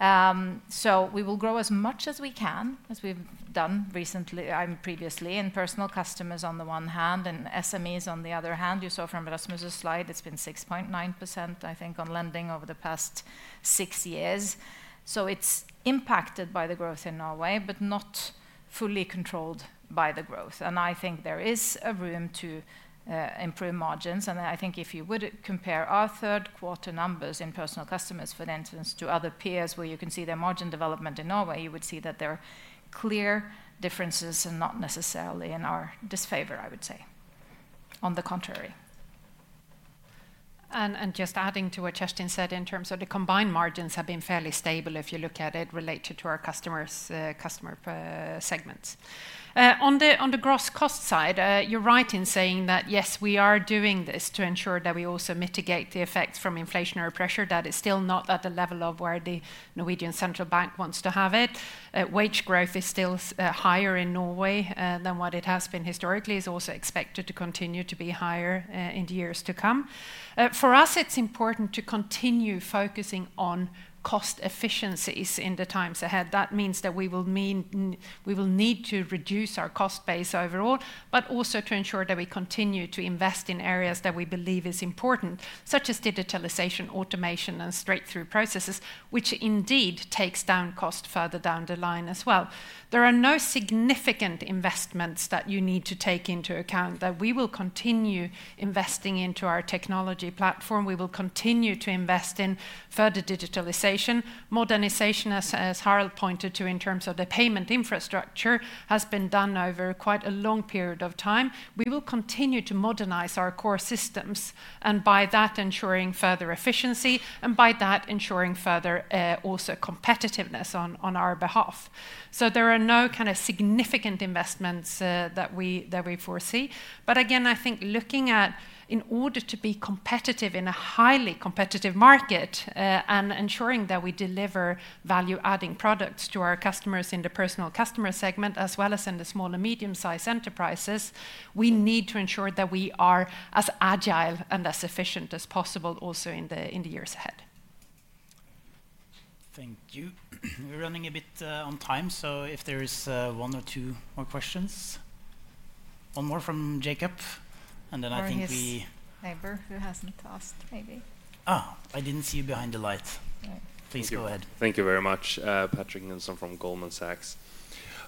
So we will grow as much as we can, as we've done recently and previously in personal customers on the one hand and SMEs on the other hand. You saw from Rasmus's slide, it's been 6.9%, I think, on lending over the past six years. So it's impacted by the growth in Norway, but not fully controlled by the growth. And I think there is a room to improve margins. And I think if you would compare our third quarter numbers in personal customers, for instance, to other peers where you can see their margin development in Norway, you would see that there are clear differences and not necessarily in our disfavor, I would say, on the contrary. And just adding to what Justin said in terms of the combined margins have been fairly stable if you look at it related to our customer segments. On the gross cost side, you're right in saying that, yes, we are doing this to ensure that we also mitigate the effects from inflationary pressure. That is still not at the level of where the Norwegian central bank wants to have it. Wage growth is still higher in Norway than what it has been historically. It's also expected to continue to be higher in the years to come. For us, it's important to continue focusing on cost efficiencies in the times ahead. That means that we will need to reduce our cost base overall, but also to ensure that we continue to invest in areas that we believe are important, such as digitalization, automation, and straight-through processes, which indeed takes down cost further down the line as well. There are no significant investments that you need to take into account that we will continue investing into our technology platform. We will continue to invest in further digitalization. Modernization, as Harold pointed to in terms of the payment infrastructure, has been done over quite a long period of time. We will continue to modernize our core systems and by that ensuring further efficiency and by that ensuring further also competitiveness on our behalf, so there are no kind of significant investments that we foresee. But again, I think looking at in order to be competitive in a highly competitive market and ensuring that we deliver value-adding products to our customers in the personal customer segment as well as in the small and medium-sized enterprises, we need to ensure that we are as agile and as efficient as possible also in the years ahead. Thank you. We're running a bit on time. So if there is one or two more questions. One more from Jacob. And then I think we. Thank you, neighbor, who hasn't asked maybe. Oh, I didn't see you behind the light. Please go ahead. Thank you very much, Patrick Nielsen from Goldman Sachs.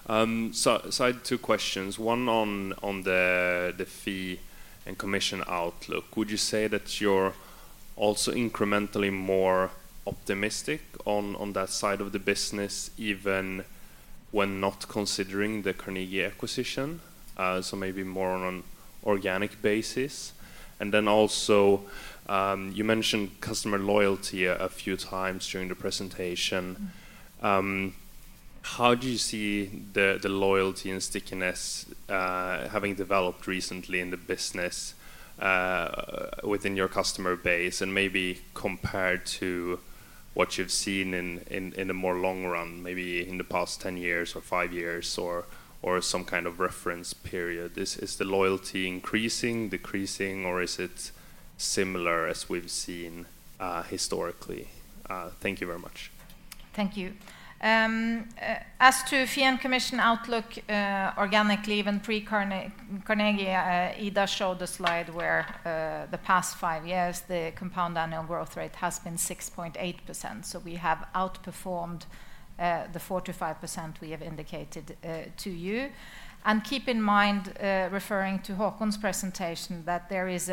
So I had two questions. One on the fee and commission outlook. Would you say that you're also incrementally more optimistic on that side of the business even when not considering the Carnegie acquisition? So maybe more on an organic basis. And then also you mentioned customer loyalty a few times during the presentation. How do you see the loyalty and stickiness having developed recently in the business within your customer base and maybe compared to what you've seen in the more long run, maybe in the past 10 years or five years or some kind of reference period? Is the loyalty increasing, decreasing, or is it similar as we've seen historically? Thank you very much. Thank you. As to fee and commission outlook organically, even pre-Carnegie, Ida showed a slide where the past five years, the compound annual growth rate has been 6.8%. So we have outperformed the 45% we have indicated to you. And keep in mind, referring to Håkon's presentation, that there is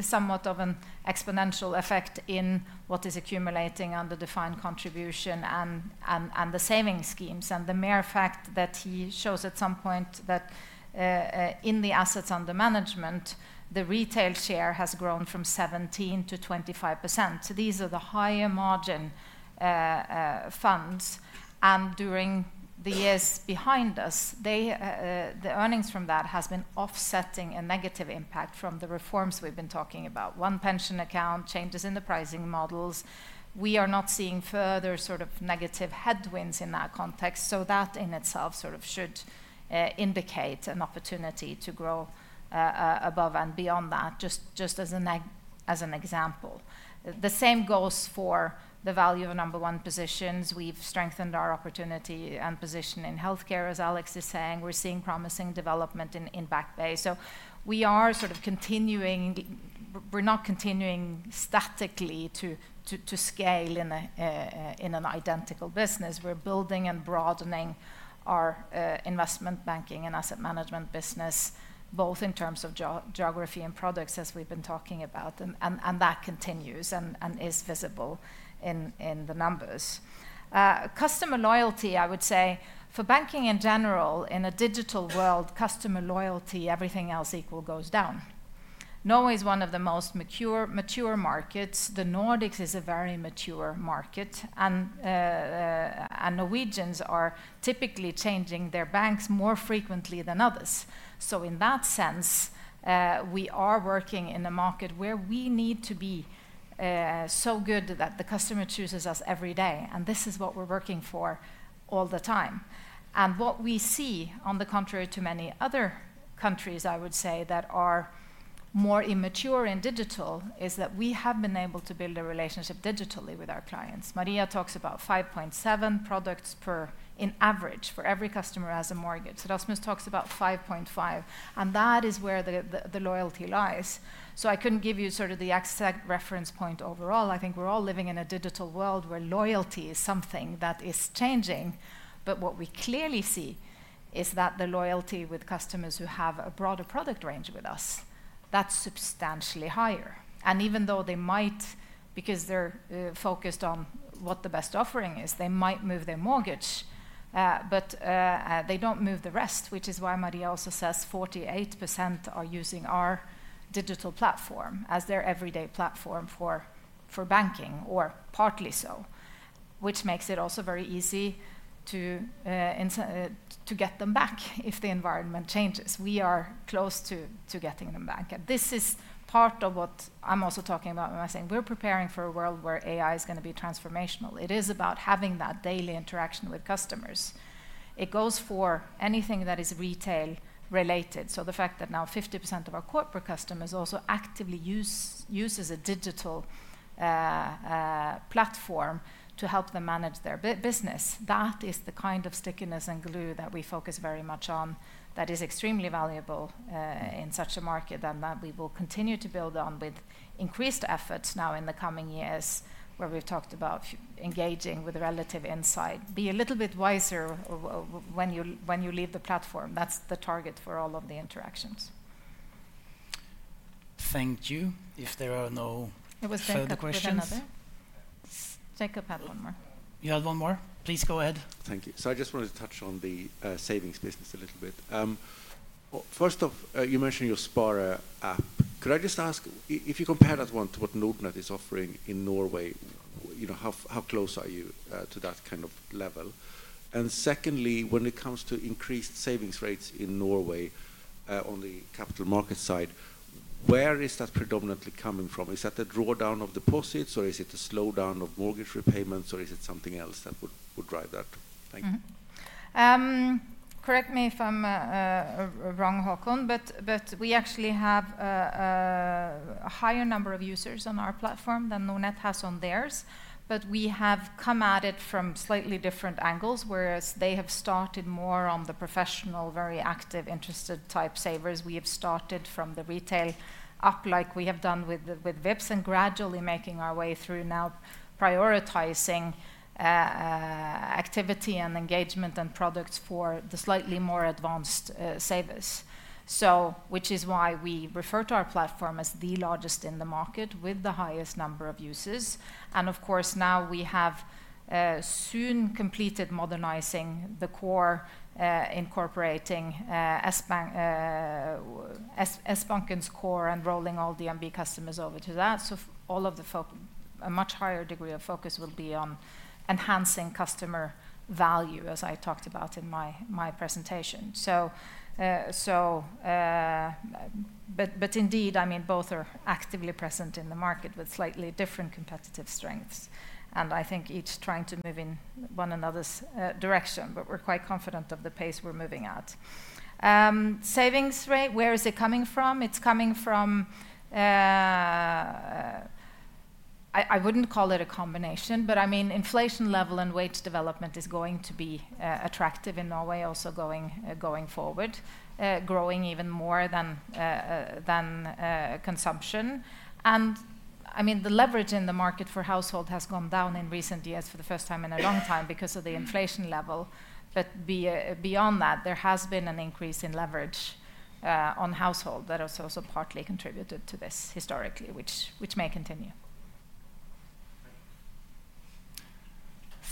somewhat of an exponential effect in what is accumulating under defined contribution and the saving schemes. And the mere fact that he shows at some point that in the assets under management, the retail share has grown from 17%-25%. So these are the higher margin funds. And during the years behind us, the earnings from that have been offsetting a negative impact from the reforms we've been talking about. One pension account, changes in the pricing models. We are not seeing further sort of negative headwinds in that context. So that in itself sort of should indicate an opportunity to grow above and beyond that, just as an example. The same goes for the value of number one positions. We've strengthened our opportunity and position in healthcare, as Alex is saying. We're seeing promising development in Back Bay. So we are sort of continuing. We're not continuing statically to scale in an identical business. We're building and broadening our investment banking and asset management business, both in terms of geography and products, as we've been talking about. And that continues and is visible in the numbers. Customer loyalty, I would say, for banking in general, in a digital world, customer loyalty, everything else equal goes down. Norway is one of the most mature markets. The Nordics is a very mature market. And Norwegians are typically changing their banks more frequently than others. So in that sense, we are working in a market where we need to be so good that the customer chooses us every day. And this is what we're working for all the time. And what we see, on the contrary to many other countries, I would say, that are more immature in digital, is that we have been able to build a relationship digitally with our clients. Maria talks about 5.7 products in average for every customer who has a mortgage. Rasmus talks about 5.5. And that is where the loyalty lies. So I couldn't give you sort of the exact reference point overall. I think we're all living in a digital world where loyalty is something that is changing. But what we clearly see is that the loyalty with customers who have a broader product range with us, that's substantially higher. And even though they might, because they're focused on what the best offering is, they might move their mortgage, but they don't move the rest, which is why Maria also says 48% are using our digital platform as their everyday platform for banking or partly so, which makes it also very easy to get them back if the environment changes. We are close to getting them back. And this is part of what I'm also talking about when I say we're preparing for a world where AI is going to be transformational. It is about having that daily interaction with customers. It goes for anything that is retail related. So the fact that now 50% of our corporate customers also actively use a digital platform to help them manage their business, that is the kind of stickiness and glue that we focus very much on that is extremely valuable in such a market and that we will continue to build on with increased efforts now in the coming years where we've talked about engaging with relevant insight. Be a little bit wiser when you leave the platform. That's the target for all of the interactions. Thank you. If there are no further questions. It was thank you for another. Jacob had one more. You had one more? Please go ahead. Thank you. I just wanted to touch on the savings business a little bit. First off, you mentioned your Spare app. Could I just ask, if you compare that one to what Nordnet is offering in Norway, how close are you to that kind of level? And secondly, when it comes to increased savings rates in Norway on the capital market side, where is that predominantly coming from? Is that the drawdown of deposits, or is it a slowdown of mortgage repayments, or is it something else that would drive that? Thank you. Correct me if I'm wrong, Håkon, but we actually have a higher number of users on our platform than Nordnet has on theirs. But we have come at it from slightly different angles, whereas they have started more on the professional, very active, interested type savers. We have started from the retail up like we have done with Vipps and gradually making our way through now prioritizing activity and engagement and products for the slightly more advanced savers, which is why we refer to our platform as the largest in the market with the highest number of users. And of course, now we have soon completed modernizing the core, incorporating Sbanken's core and rolling all DNB customers over to that. So all of the folks, a much higher degree of focus will be on enhancing customer value, as I talked about in my presentation. But indeed, I mean, both are actively present in the market with slightly different competitive strengths. And I think each trying to move in one another's direction, but we're quite confident of the pace we're moving at. Savings rate, where is it coming from? It's coming from. I wouldn't call it a combination, but I mean, inflation level and wage development is going to be attractive in Norway also going forward, growing even more than consumption. I mean, the leverage in the market for household has gone down in recent years for the first time in a long time because of the inflation level. But beyond that, there has been an increase in leverage on household that has also partly contributed to this historically, which may continue.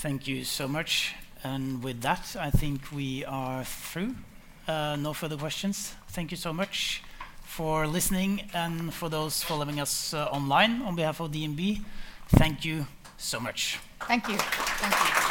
Thank you so much. With that, I think we are through. No further questions. Thank you so much for listening and for those following us online on behalf of DNB. Thank you so much. Thank you. Thank you.